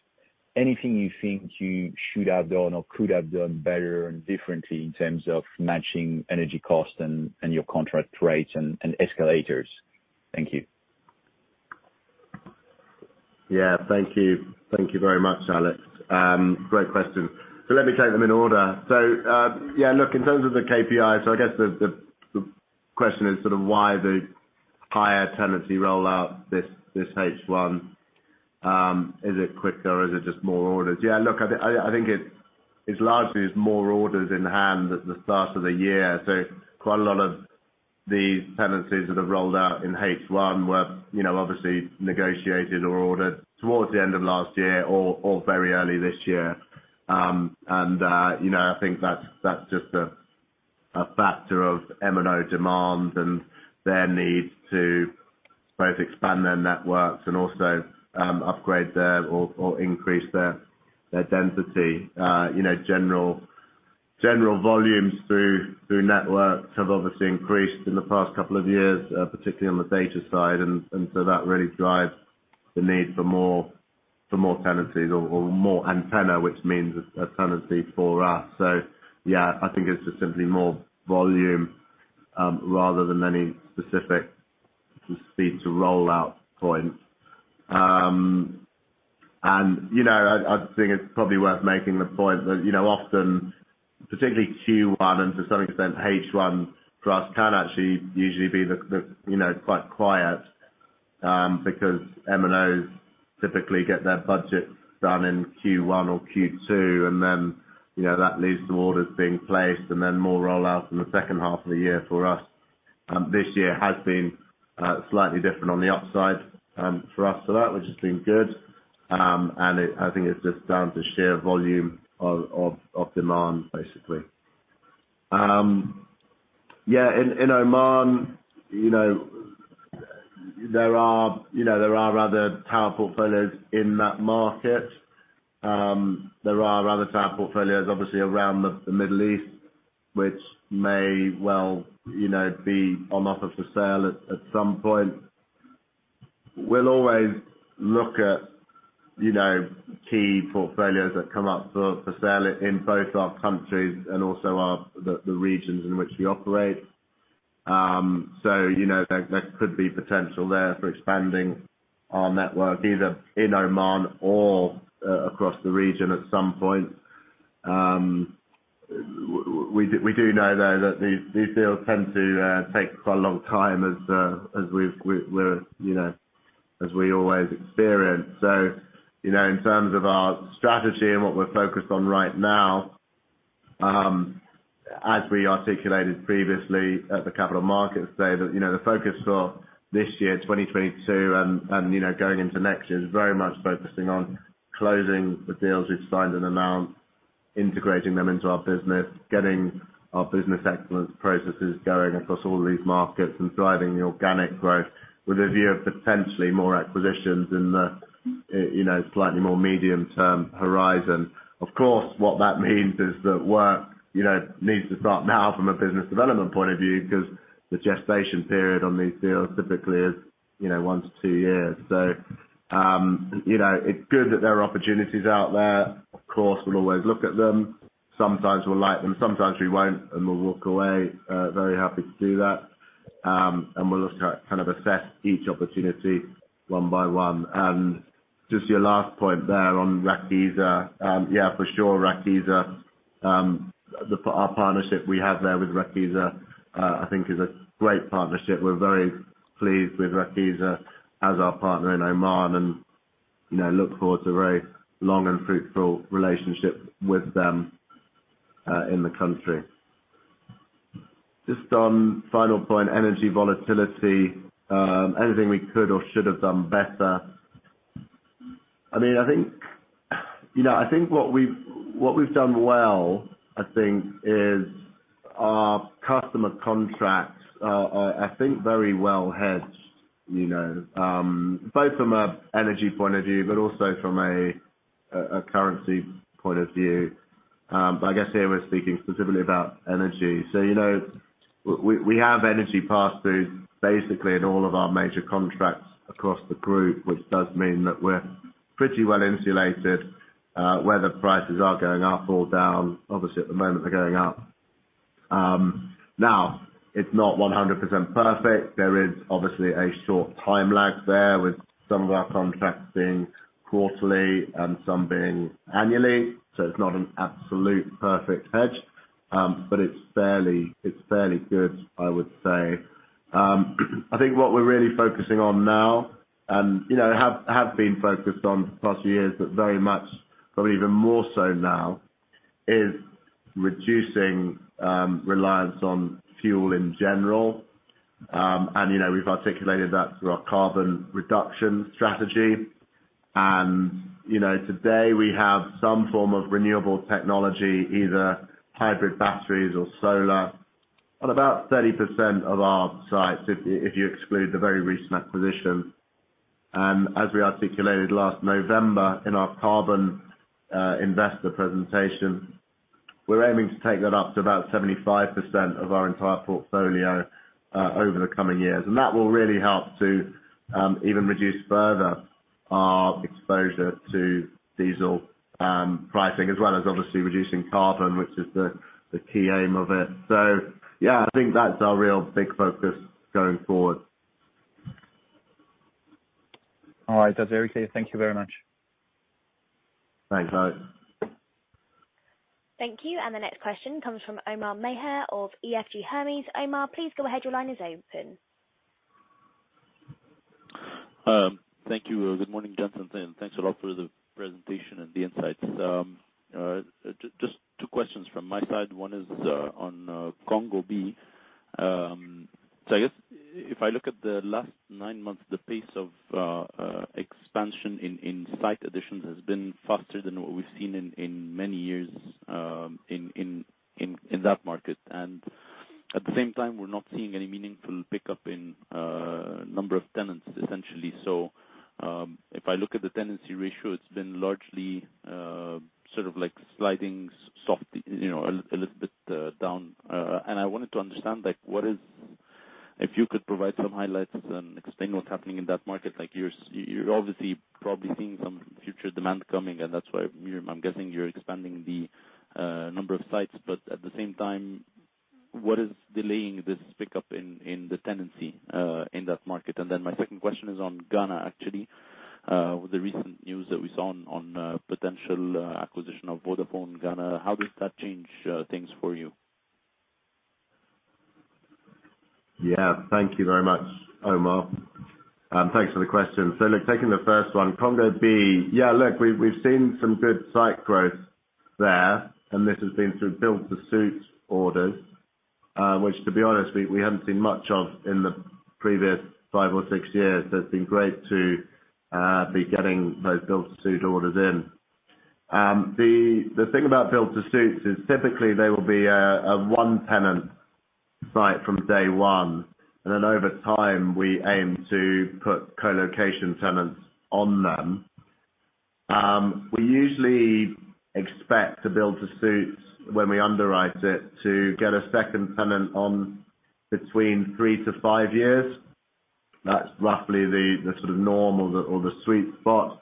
anything you think you should have done or could have done better and differently in terms of matching energy costs and your contract rates and escalators? Thank you. Yeah. Thank you very much, Alex. Great question. Let me take them in order. Yeah, look, in terms of the KPI, I guess the question is sort of why the higher tenancy rollout this H1, is it quicker? Is it just more orders? Yeah, look, I think it's largely more orders in hand at the start of the year. Quite a lot of these tenancies that have rolled out in H1 were, you know, obviously negotiated or ordered towards the end of last year or very early this year. And you know, I think that's just a factor of MNO demand and their need to both expand their networks and upgrade their or increase their density. You know, general volumes through networks have obviously increased in the past couple of years, particularly on the data side. That really drives the need for more tenancies or more antennas, which means a tenancy for us. Yeah, I think it's just simply more volume rather than any specific speed to rollout point. You know, I think it's probably worth making the point that often, particularly Q1, and to some extent H1 for us, can actually usually be quite quiet because MNOs typically get their budgets done in Q1 or Q2, and then that leads to orders being placed and then more rollouts in the second half of the year for us. This year has been slightly different on the upside for us. That which has been good, and I think it's just down to sheer volume of demand, basically. Yeah, in Oman, you know, there are other tower portfolios in that market. There are other tower portfolios obviously around the Middle East, which may well, you know, be on offer for sale at some point. We'll always look at, you know, key portfolios that come up for sale in both our countries and also the regions in which we operate. You know, there could be potential there for expanding our network, either in Oman or across the region at some point. We do know, though, that these deals tend to take quite a long time as we always experience. You know, in terms of our strategy and what we're focused on right now, as we articulated previously at the capital markets day, you know, the focus for this year, 2022 and going into next year is very much focusing on closing the deals we've signed and announced, integrating them into our business, getting our business excellence processes going across all these markets and driving the organic growth with a view of potentially more acquisitions in the, you know, slightly more medium-term horizon. Of course, what that means is that work, you know, needs to start now from a business development point of view because the gestation period on these deals typically is, you know, one to two years. It's good that there are opportunities out there. Of course, we'll always look at them. Sometimes we'll like them, sometimes we won't, and we'll walk away, very happy to do that. We'll look at, kind of assess each opportunity one by one. Just your last point there on Rakiza. Yeah, for sure, Rakiza, our partnership we have there with Rakiza, I think is a great partnership. We're very pleased with Rakiza as our partner in Oman and, you know, look forward to a very long and fruitful relationship with them in the country. Just one final point, energy volatility, anything we could or should have done better. I mean, I think, you know, I think what we've done well, I think, is our customer contracts are, I think, very well hedged, you know, both from an energy point of view, but also from a currency point of view. I guess here we're speaking specifically about energy. You know, we have energy pass through basically in all of our major contracts across the group, which does mean that we're pretty well insulated, whether prices are going up or down. Obviously, at the moment they're going up. Now it's not 100% perfect. There is obviously a short time lag there with some of our contracts being quarterly and some being annually. It's not an absolute perfect hedge, but it's fairly good, I would say. I think what we're really focusing on now and, you know, have been focused on for the past few years, but very much, probably even more so now, is reducing reliance on fuel in general. You know, we've articulated that through our carbon reduction strategy. You know, today, we have some form of renewable technology, either hybrid batteries or solar on about 30% of our sites if you exclude the very recent acquisition. As we articulated last November in our carbon investor presentation, we're aiming to take that up to about 75% of our entire portfolio over the coming years. That will really help to even reduce further our exposure to diesel pricing as well as obviously reducing carbon, which is the key aim of it. Yeah, I think that's our real big focus going forward. All right. That's very clear. Thank you very much. Thanks, Alex. Thank you. The next question comes from Omar Maher of EFG Hermes. Omar, please go ahead. Your line is open. Thank you. Good morning, gents, and thanks a lot for the presentation and the insights. Just two questions from my side. One is on Congo Brazzaville. I guess if I look at the last nine months, the pace of expansion in site additions has been faster than what we've seen in that market. At the same time, we're not seeing any meaningful pickup in number of tenants essentially. If I look at the tenancy ratio, it's been largely sort of like sliding soft, you know, a little bit down. I wanted to understand, like, what is. If you could provide some highlights and explain what's happening in that market. Like you're obviously probably seeing some future demand coming, and that's why I'm guessing you're expanding the number of sites. But at the same time, what is delaying this pickup in the tenancy in that market? My second question is on Ghana, actually. The recent news that we saw on potential acquisition of Vodafone Ghana, how does that change things for you? Yeah. Thank you very much, Omar, and thanks for the question. Look, taking the first one, Congo B. Yeah, look, we've seen some good site growth there, and this has been through build to suit orders, which to be honest, we haven't seen much of in the previous five or six years. It's been great to be getting those build to suit orders in. The thing about build to suits is typically they will be a one tenant site from day one, and then over time, we aim to put colocation tenants on them. We usually expect the build to suits when we underwrite it to get a second tenant on between three to five years. That's roughly the sort of normal or the sweet spot.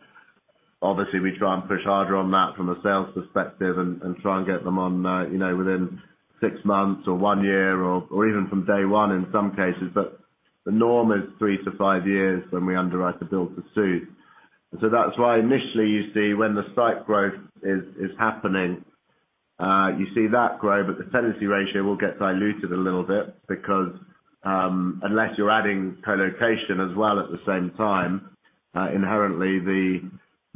Obviously, we try and push harder on that from a sales perspective and try and get them on, you know, within six months or one year or even from day one in some cases. The norm is three to five years when we underwrite the build to suit. That's why initially you see when the site growth is happening, you see that grow, but the tenancy ratio will get diluted a little bit because unless you're adding Co-location as well at the same time, inherently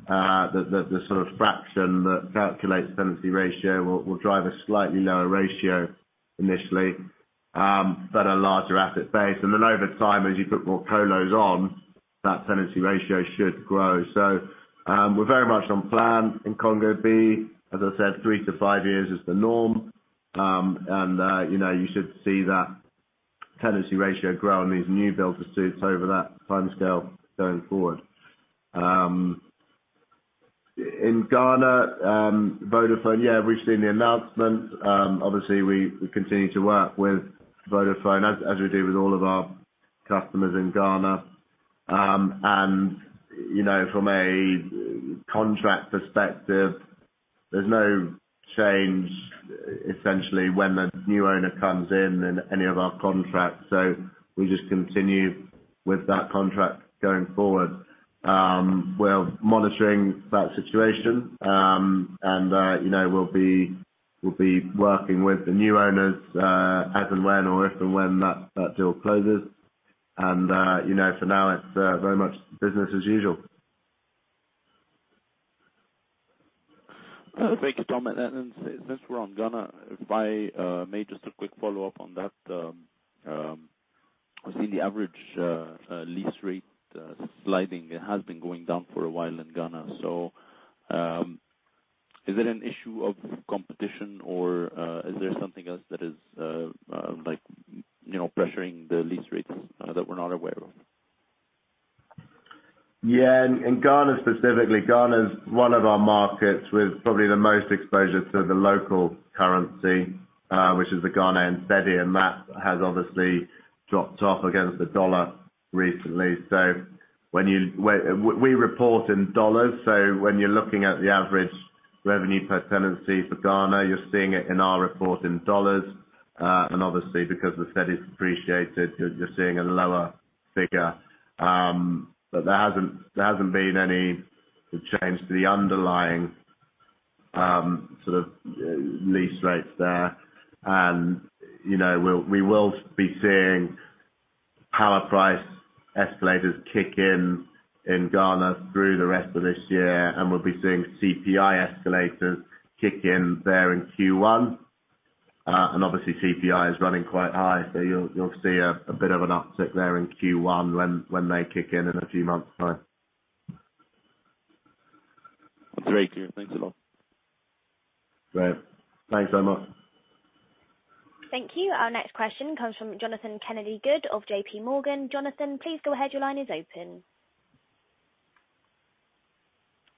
the sort of fraction that calculates tenancy ratio will drive a slightly lower ratio initially, but a larger asset base. Then over time, as you put more Colos on, that tenancy ratio should grow. We're very much on plan in Congo Brazzaville. As I said, three to five years is the norm. You know, you should see that tenancy ratio grow in these new build to suit over that timescale going forward. In Ghana, Vodafone, yeah, we've seen the announcement. Obviously we continue to work with Vodafone as we do with all of our customers in Ghana. You know, from a contract perspective, there's no change essentially when the new owner comes in in any of our contracts. We just continue with that contract going forward. We're monitoring that situation, and you know, we'll be working with the new owners as and when or if and when that deal closes. You know, for now it's very much business as usual. Thank you, Tom. Since we're on Ghana, if I may just a quick follow-up on that. I've seen the average lease rate sliding. It has been going down for a while in Ghana, so is it an issue of competition or is there something else that is like, you know, pressuring the lease rates that we're not aware of? Yeah. In Ghana specifically, Ghana is one of our markets with probably the most exposure to the local currency, which is the Ghana cedi, and that has obviously dropped off against the dollar recently. We report in dollars, so when you're looking at the average revenue per tenancy for Ghana, you're seeing it in our report in dollars. Obviously because the cedi's appreciated, you're seeing a lower figure. There hasn't been any change to the underlying sort of lease rates there. We will be seeing power price escalators kick in in Ghana through the rest of this year, and we'll be seeing CPI escalators kick in there in Q1. Obviously CPI is running quite high, so you'll see a bit of an uptick there in Q1 when they kick in in a few months time. Great. Thanks a lot. Great. Thanks very much. Thank you. Our next question comes from Jonathan Kennedy-Good of J.P. Morgan. Jonathan, please go ahead. Your line is open.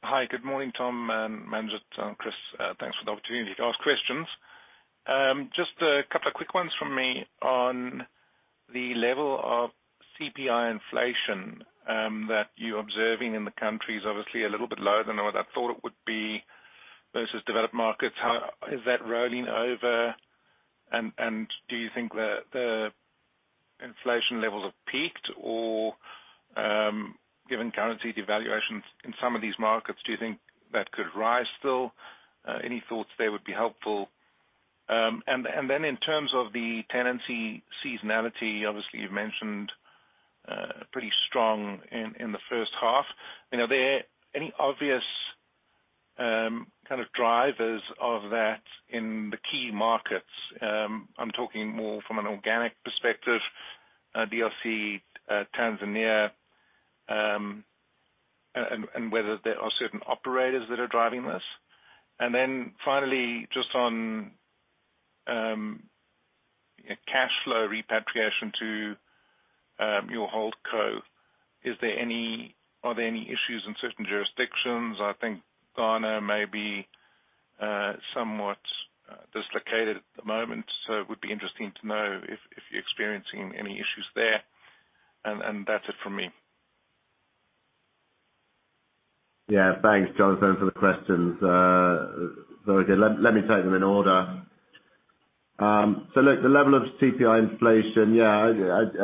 Hi. Good morning, Tom and Manjit and Chris. Thanks for the opportunity to ask questions. Just a couple of quick ones from me on the level of CPI inflation that you're observing in the countries, obviously a little bit lower than what I thought it would be versus developed markets. How is that rolling over and do you think the inflation levels have peaked or, given currency devaluations in some of these markets, do you think that could rise still? Any thoughts there would be helpful? And then in terms of the tenancy seasonality, obviously you've mentioned pretty strong in the first half. You know, are there any obvious kind of drivers of that in the key markets? I'm talking more from an organic perspective, DRC, Tanzania, and whether there are certain operators that are driving this. Then finally just on cash flow repatriation to your hold co. Are there any issues in certain jurisdictions? I think Ghana may be somewhat dislocated at the moment, so it would be interesting to know if you're experiencing any issues there. That's it for me. Thanks, Jonathan, for the questions. Very good. Let me take them in order. Look, the level of CPI inflation, yeah,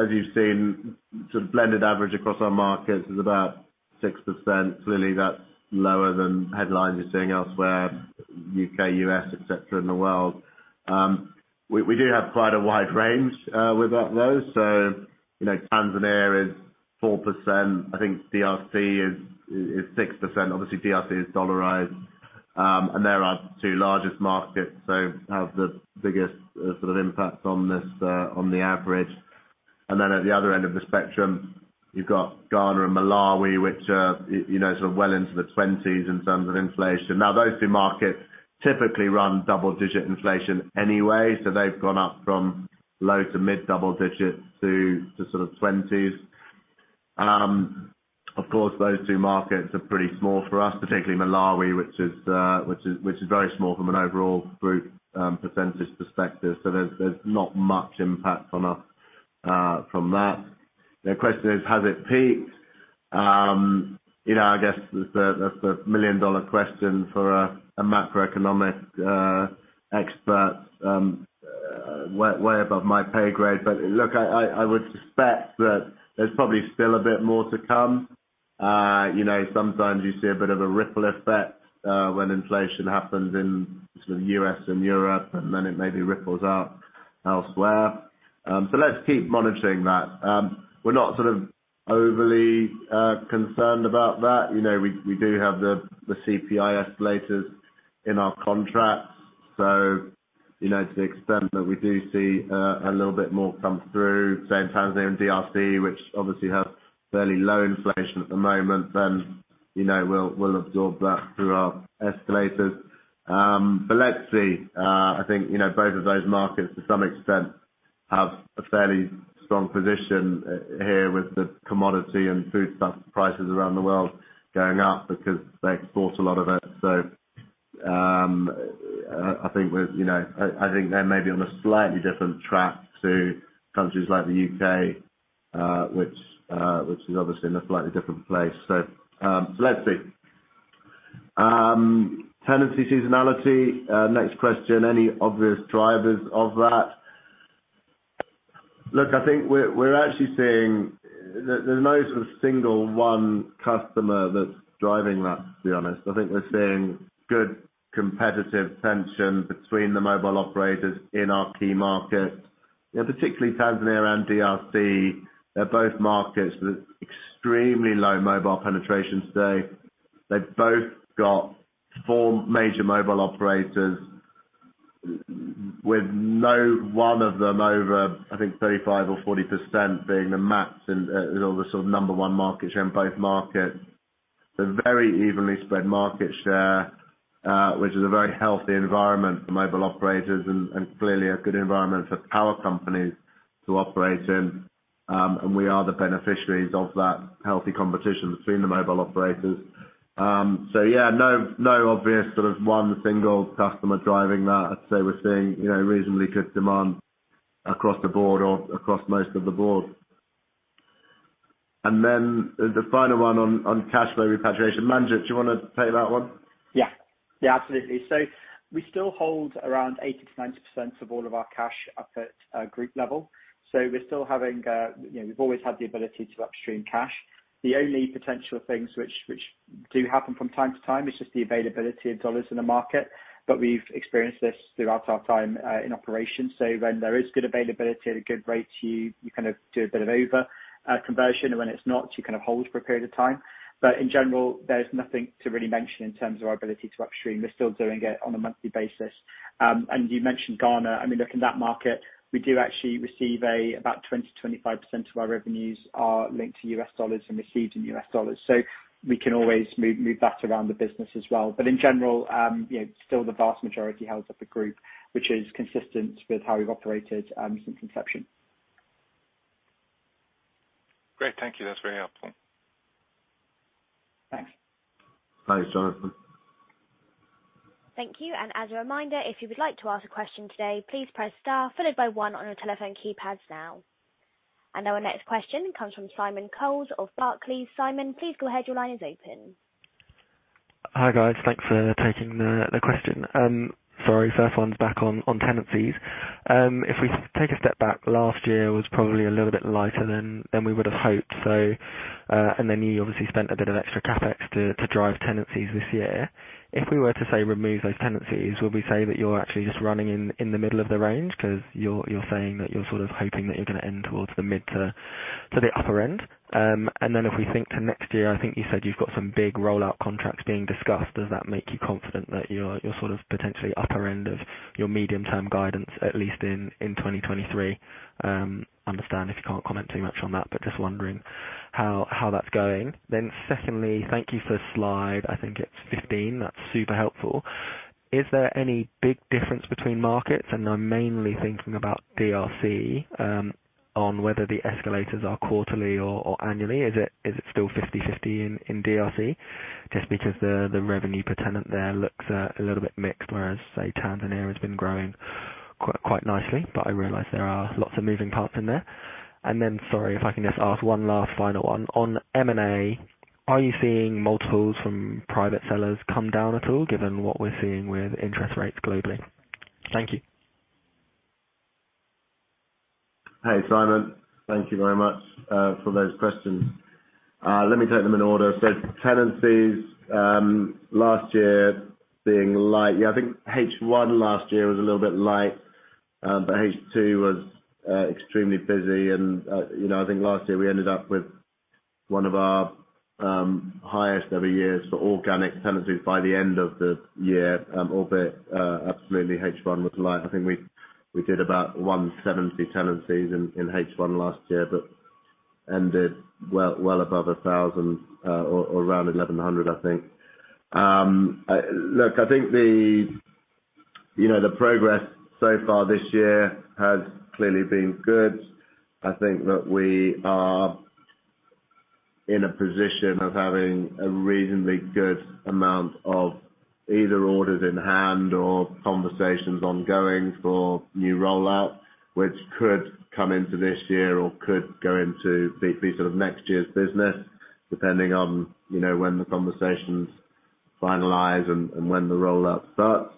as you've seen, sort of blended average across our markets is about 6%. Clearly that's lower than headlines you're seeing elsewhere, U.K., U.S., etc., in the world. We do have quite a wide range with those. You know, Tanzania is 4%. I think DRC is 6%. Obviously DRC is dollarized. They're our two largest markets, so have the biggest sort of impact on this on the average. At the other end of the spectrum, you've got Ghana and Malawi, which are, you know, sort of well into the 20s in terms of inflation. Now those two markets typically run double-digit inflation anyway, so they've gone up from low- to mid-double digits to sort of twenties. Of course, those two markets are pretty small for us, particularly Malawi, which is very small from an overall group percentage perspective. So there's not much impact on us from that. The question is, has it peaked? You know, I guess that's the million-dollar question for a macroeconomic expert. Way above my pay grade. But look, I would suspect that there's probably still a bit more to come. You know, sometimes you see a bit of a ripple effect when inflation happens in sort of the U.S. and Europe, and then it maybe ripples out elsewhere. So let's keep monitoring that. We're not sort of overly concerned about that. You know, we do have the CPI escalators in our contracts. You know, to the extent that we do see a little bit more come through, say in Tanzania and DRC, which obviously have fairly low inflation at the moment, then, you know, we'll absorb that through our escalators. But let's see. I think both of those markets, to some extent, have a fairly strong position here with the commodity and food stuff prices around the world going up because they export a lot of it. I think they may be on a slightly different track to countries like the U.K., which is obviously in a slightly different place. Let's see. Tenancy seasonality, next question, any obvious drivers of that? Look, I think we're actually seeing. There's no sort of single one customer that's driving that, to be honest. I think we're seeing good competitive tension between the mobile operators in our key markets. You know, particularly Tanzania and DRC, they're both markets with extremely low mobile penetration today. They've both got four major mobile operators with no one of them over, I think, 35% or 40% being the max in all the sort of number one market share in both markets. They have very evenly spread market share, which is a very healthy environment for mobile operators and clearly a good environment for tower companies to operate in. We are the beneficiaries of that healthy competition between the mobile operators. So yeah, no obvious sort of one single customer driving that. I'd say we're seeing, you know, reasonably good demand across the board or across most of the board. Then the final one on cash flow repatriation. Manjit, do you wanna take that one? Yeah. Yeah, absolutely. We still hold around 80%-90% of all of our cash up at group level. We're still having, you know, we've always had the ability to upstream cash. The only potential things which do happen from time to time is just the availability of dollars in the market. We've experienced this throughout our time in operation. When there is good availability at a good rate to you kind of do a bit of over conversion. When it's not, you kind of hold for a period of time. In general, there's nothing to really mention in terms of our ability to upstream. We're still doing it on a monthly basis. You mentioned Ghana. I mean, look, in that market, we do actually receive about 20%-25% of our revenues are linked to U.S. dollars and received in U.S. dollars. We can always move that around the business as well. In general, you know, still the vast majority holds up the group, which is consistent with how we've operated since inception. Great. Thank you. That's very helpful. Thanks. Thanks, Jonathan. Thank you. As a reminder, if you would like to ask a question today, please press star followed by one on your telephone keypads now. Our next question comes from Simon Coles of Barclays. Simon, please go ahead. Your line is open. Hi, guys. Thanks for taking the question. Sorry, first one's back on tenancies. If we take a step back, last year was probably a little bit lighter than we would've hoped. And then you obviously spent a bit of extra CapEx to drive tenancies this year. If we were to, say, remove those tenancies, would we say that you're actually just running in the middle of the range? 'Cause you're saying that you're sort of hoping that you're gonna end towards the mid to the upper end. And then if we think to next year, I think you said you've got some big rollout contracts being discussed. Does that make you confident that you're sort of potentially upper end of your medium-term guidance, at least in 2023? Understand if you can't comment too much on that, but just wondering how that's going. Then secondly, thank you for slide, I think it's 15. That's super helpful. Is there any big difference between markets, and I'm mainly thinking about DRC, on whether the escalators are quarterly or annually? Is it still 50/50 in DRC? Just because the revenue per tenant there looks a little bit mixed, whereas, say, Tanzania has been growing quite nicely, but I realize there are lots of moving parts in there. Sorry, if I can just ask one last final one. On M&A, are you seeing multiples from private sellers come down at all, given what we're seeing with interest rates globally? Thank you. Hey, Simon. Thank you very much for those questions. Let me take them in order. Tenancies last year being light. Yeah, I think H1 last year was a little bit light, but H2 was extremely busy and, you know, I think last year we ended up with one of our highest ever years for organic tenancies by the end of the year. Albeit, absolutely H1 was light. I think we did about 170 tenancies in H1 last year, but ended well above 1,000, or around 1,100, I think. Look, I think the, you know, the progress so far this year has clearly been good. I think that we are in a position of having a reasonably good amount of either orders in hand or conversations ongoing for new rollout, which could come into this year or could go into be sort of next year's business, depending on, you know, when the conversations finalize and when the rollout starts.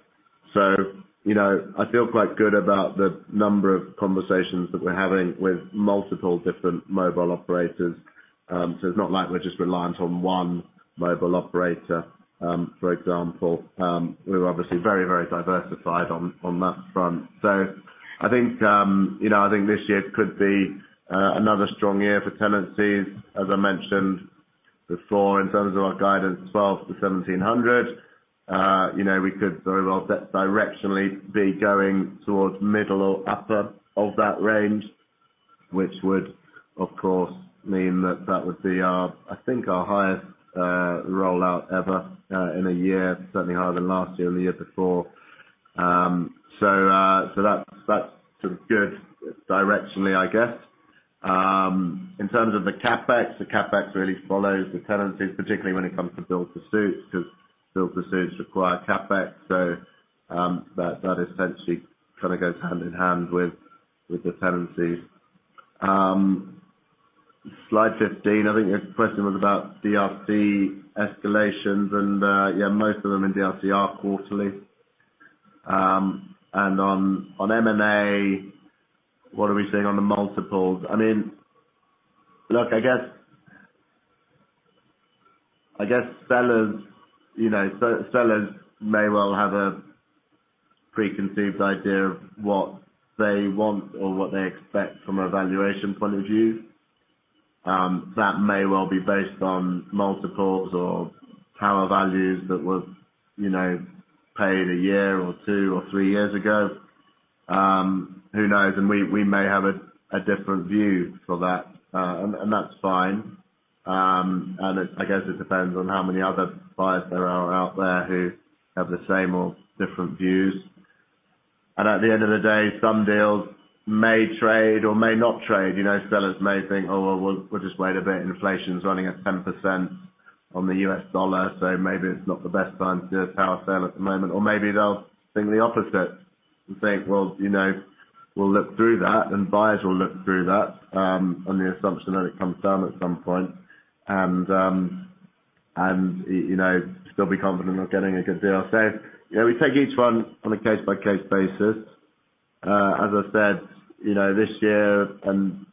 You know, I feel quite good about the number of conversations that we're having with multiple different mobile operators. It's not like we're just reliant on one mobile operator, for example. We're obviously very, very diversified on that front. I think, you know, I think this year could be another strong year for tenancies. As I mentioned before, in terms of our guidance, 1,200-1,700, you know, we could very well set directionally be going towards middle or upper of that range, which would, of course, mean that that would be our, I think, our highest rollout ever in a year, certainly higher than last year or the year before. That's sort of good directionally, I guess. In terms of the CapEx, the CapEx really follows the tenancies, particularly when it comes to build-to-suits, because build-to-suits require CapEx. That essentially kind of goes hand in hand with the tenancies. Slide 15, I think your question was about DRC escalations and, yeah, most of them in DRC are quarterly. On M&A, what are we seeing on the multiples? I mean, look, I guess sellers, you know, may well have a preconceived idea of what they want or what they expect from a valuation point of view. That may well be based on multiples or tower values that were, you know, paid a year or two or three years ago. Who knows? We may have a different view for that. That's fine. I guess it depends on how many other buyers there are out there who have the same or different views. At the end of the day, some deals may trade or may not trade. You know, sellers may think, "Oh, well, we'll just wait a bit. Inflation's running at 10% on the U.S. dollar, so maybe it's not the best time to do a tower sale at the moment. Maybe they'll think the opposite and think, "Well, you know, we'll look through that," and buyers will look through that, on the assumption that it comes down at some point and you know, still be confident of getting a good deal. You know, we take each one on a case-by-case basis. As I said, you know, this year and,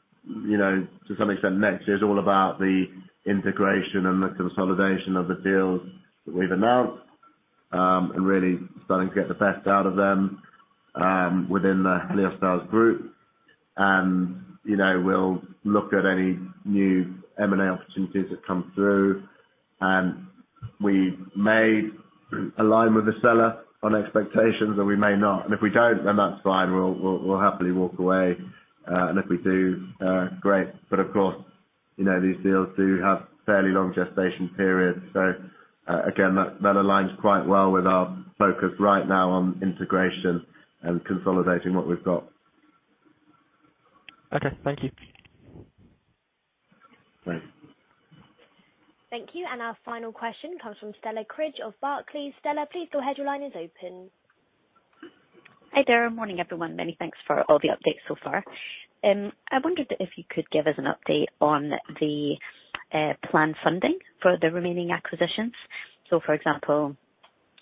you know, to some extent next year, is all about the integration and the consolidation of the deals that we've announced, and really starting to get the best out of them, within the Helios Towers group. You know, we'll look at any new M&A opportunities that come through, and we may align with the seller on expectations or we may not. If we don't, then that's fine. We'll happily walk away. If we do, great, but of course, you know, these deals do have fairly long gestation periods. That aligns quite well with our focus right now on integration and consolidating what we've got. Okay. Thank you. Thanks. Thank you. Our final question comes from Stella Cridge of Barclays. Stella, please go ahead. Your line is open. Hi there. Morning, everyone. Many thanks for all the updates so far. I wondered if you could give us an update on the planned funding for the remaining acquisitions. For example,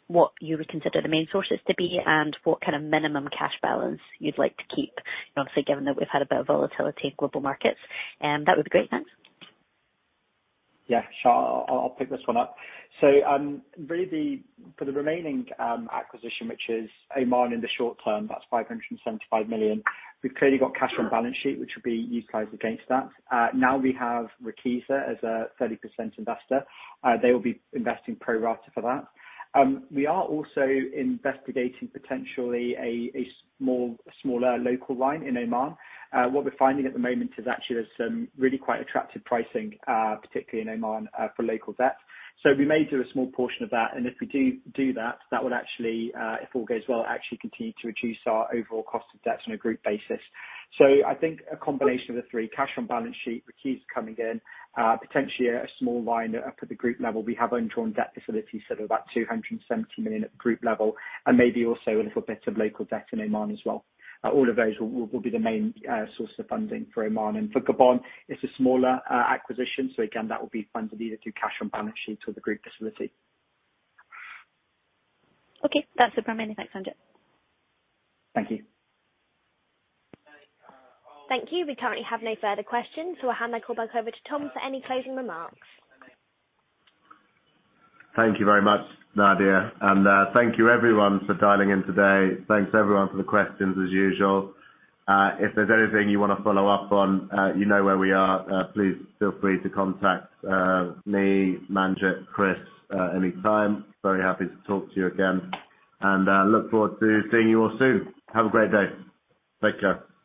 what you would consider the main sources to be and what kind of minimum cash balance you'd like to keep, you know, obviously given that we've had a bit of volatility in global markets. That would be great. Thanks. Yeah, sure. I'll pick this one up. Really for the remaining acquisition, which is Oman in the short term, that's $575 million. We've clearly got cash on balance sheet, which will be utilized against that. Now we have Rakiza as a 30% investor. They will be investing pro rata for that. We are also investigating potentially a smaller local line in Oman. What we're finding at the moment is actually there's some really quite attractive pricing, particularly in Oman, for local debt. We may do a small portion of that. If we do that will actually, if all goes well, actually continue to reduce our overall cost of debt on a group basis. I think a combination of the three, cash on balance sheet, Rakiza coming in, potentially a small line up at the group level. We have undrawn debt facilities that are about $270 million at the group level, and maybe also a little bit of local debt in Oman as well. All of those will be the main source of funding for Oman. For Gabon, it's a smaller acquisition, so again, that will be funded either through cash on balance sheet or the group facility. Okay. That's it for me. Thanks, Manjit. Thank you. Thank you. We currently have no further questions, so I'll hand back over to Tom for any closing remarks. Thank you very much, Nadia. Thank you everyone for dialing in today. Thanks everyone for the questions, as usual. If there's anything you wanna follow up on, you know where we are. Please feel free to contact me, Manjit, Chris, anytime. Very happy to talk to you again. Look forward to seeing you all soon. Have a great day. Take care.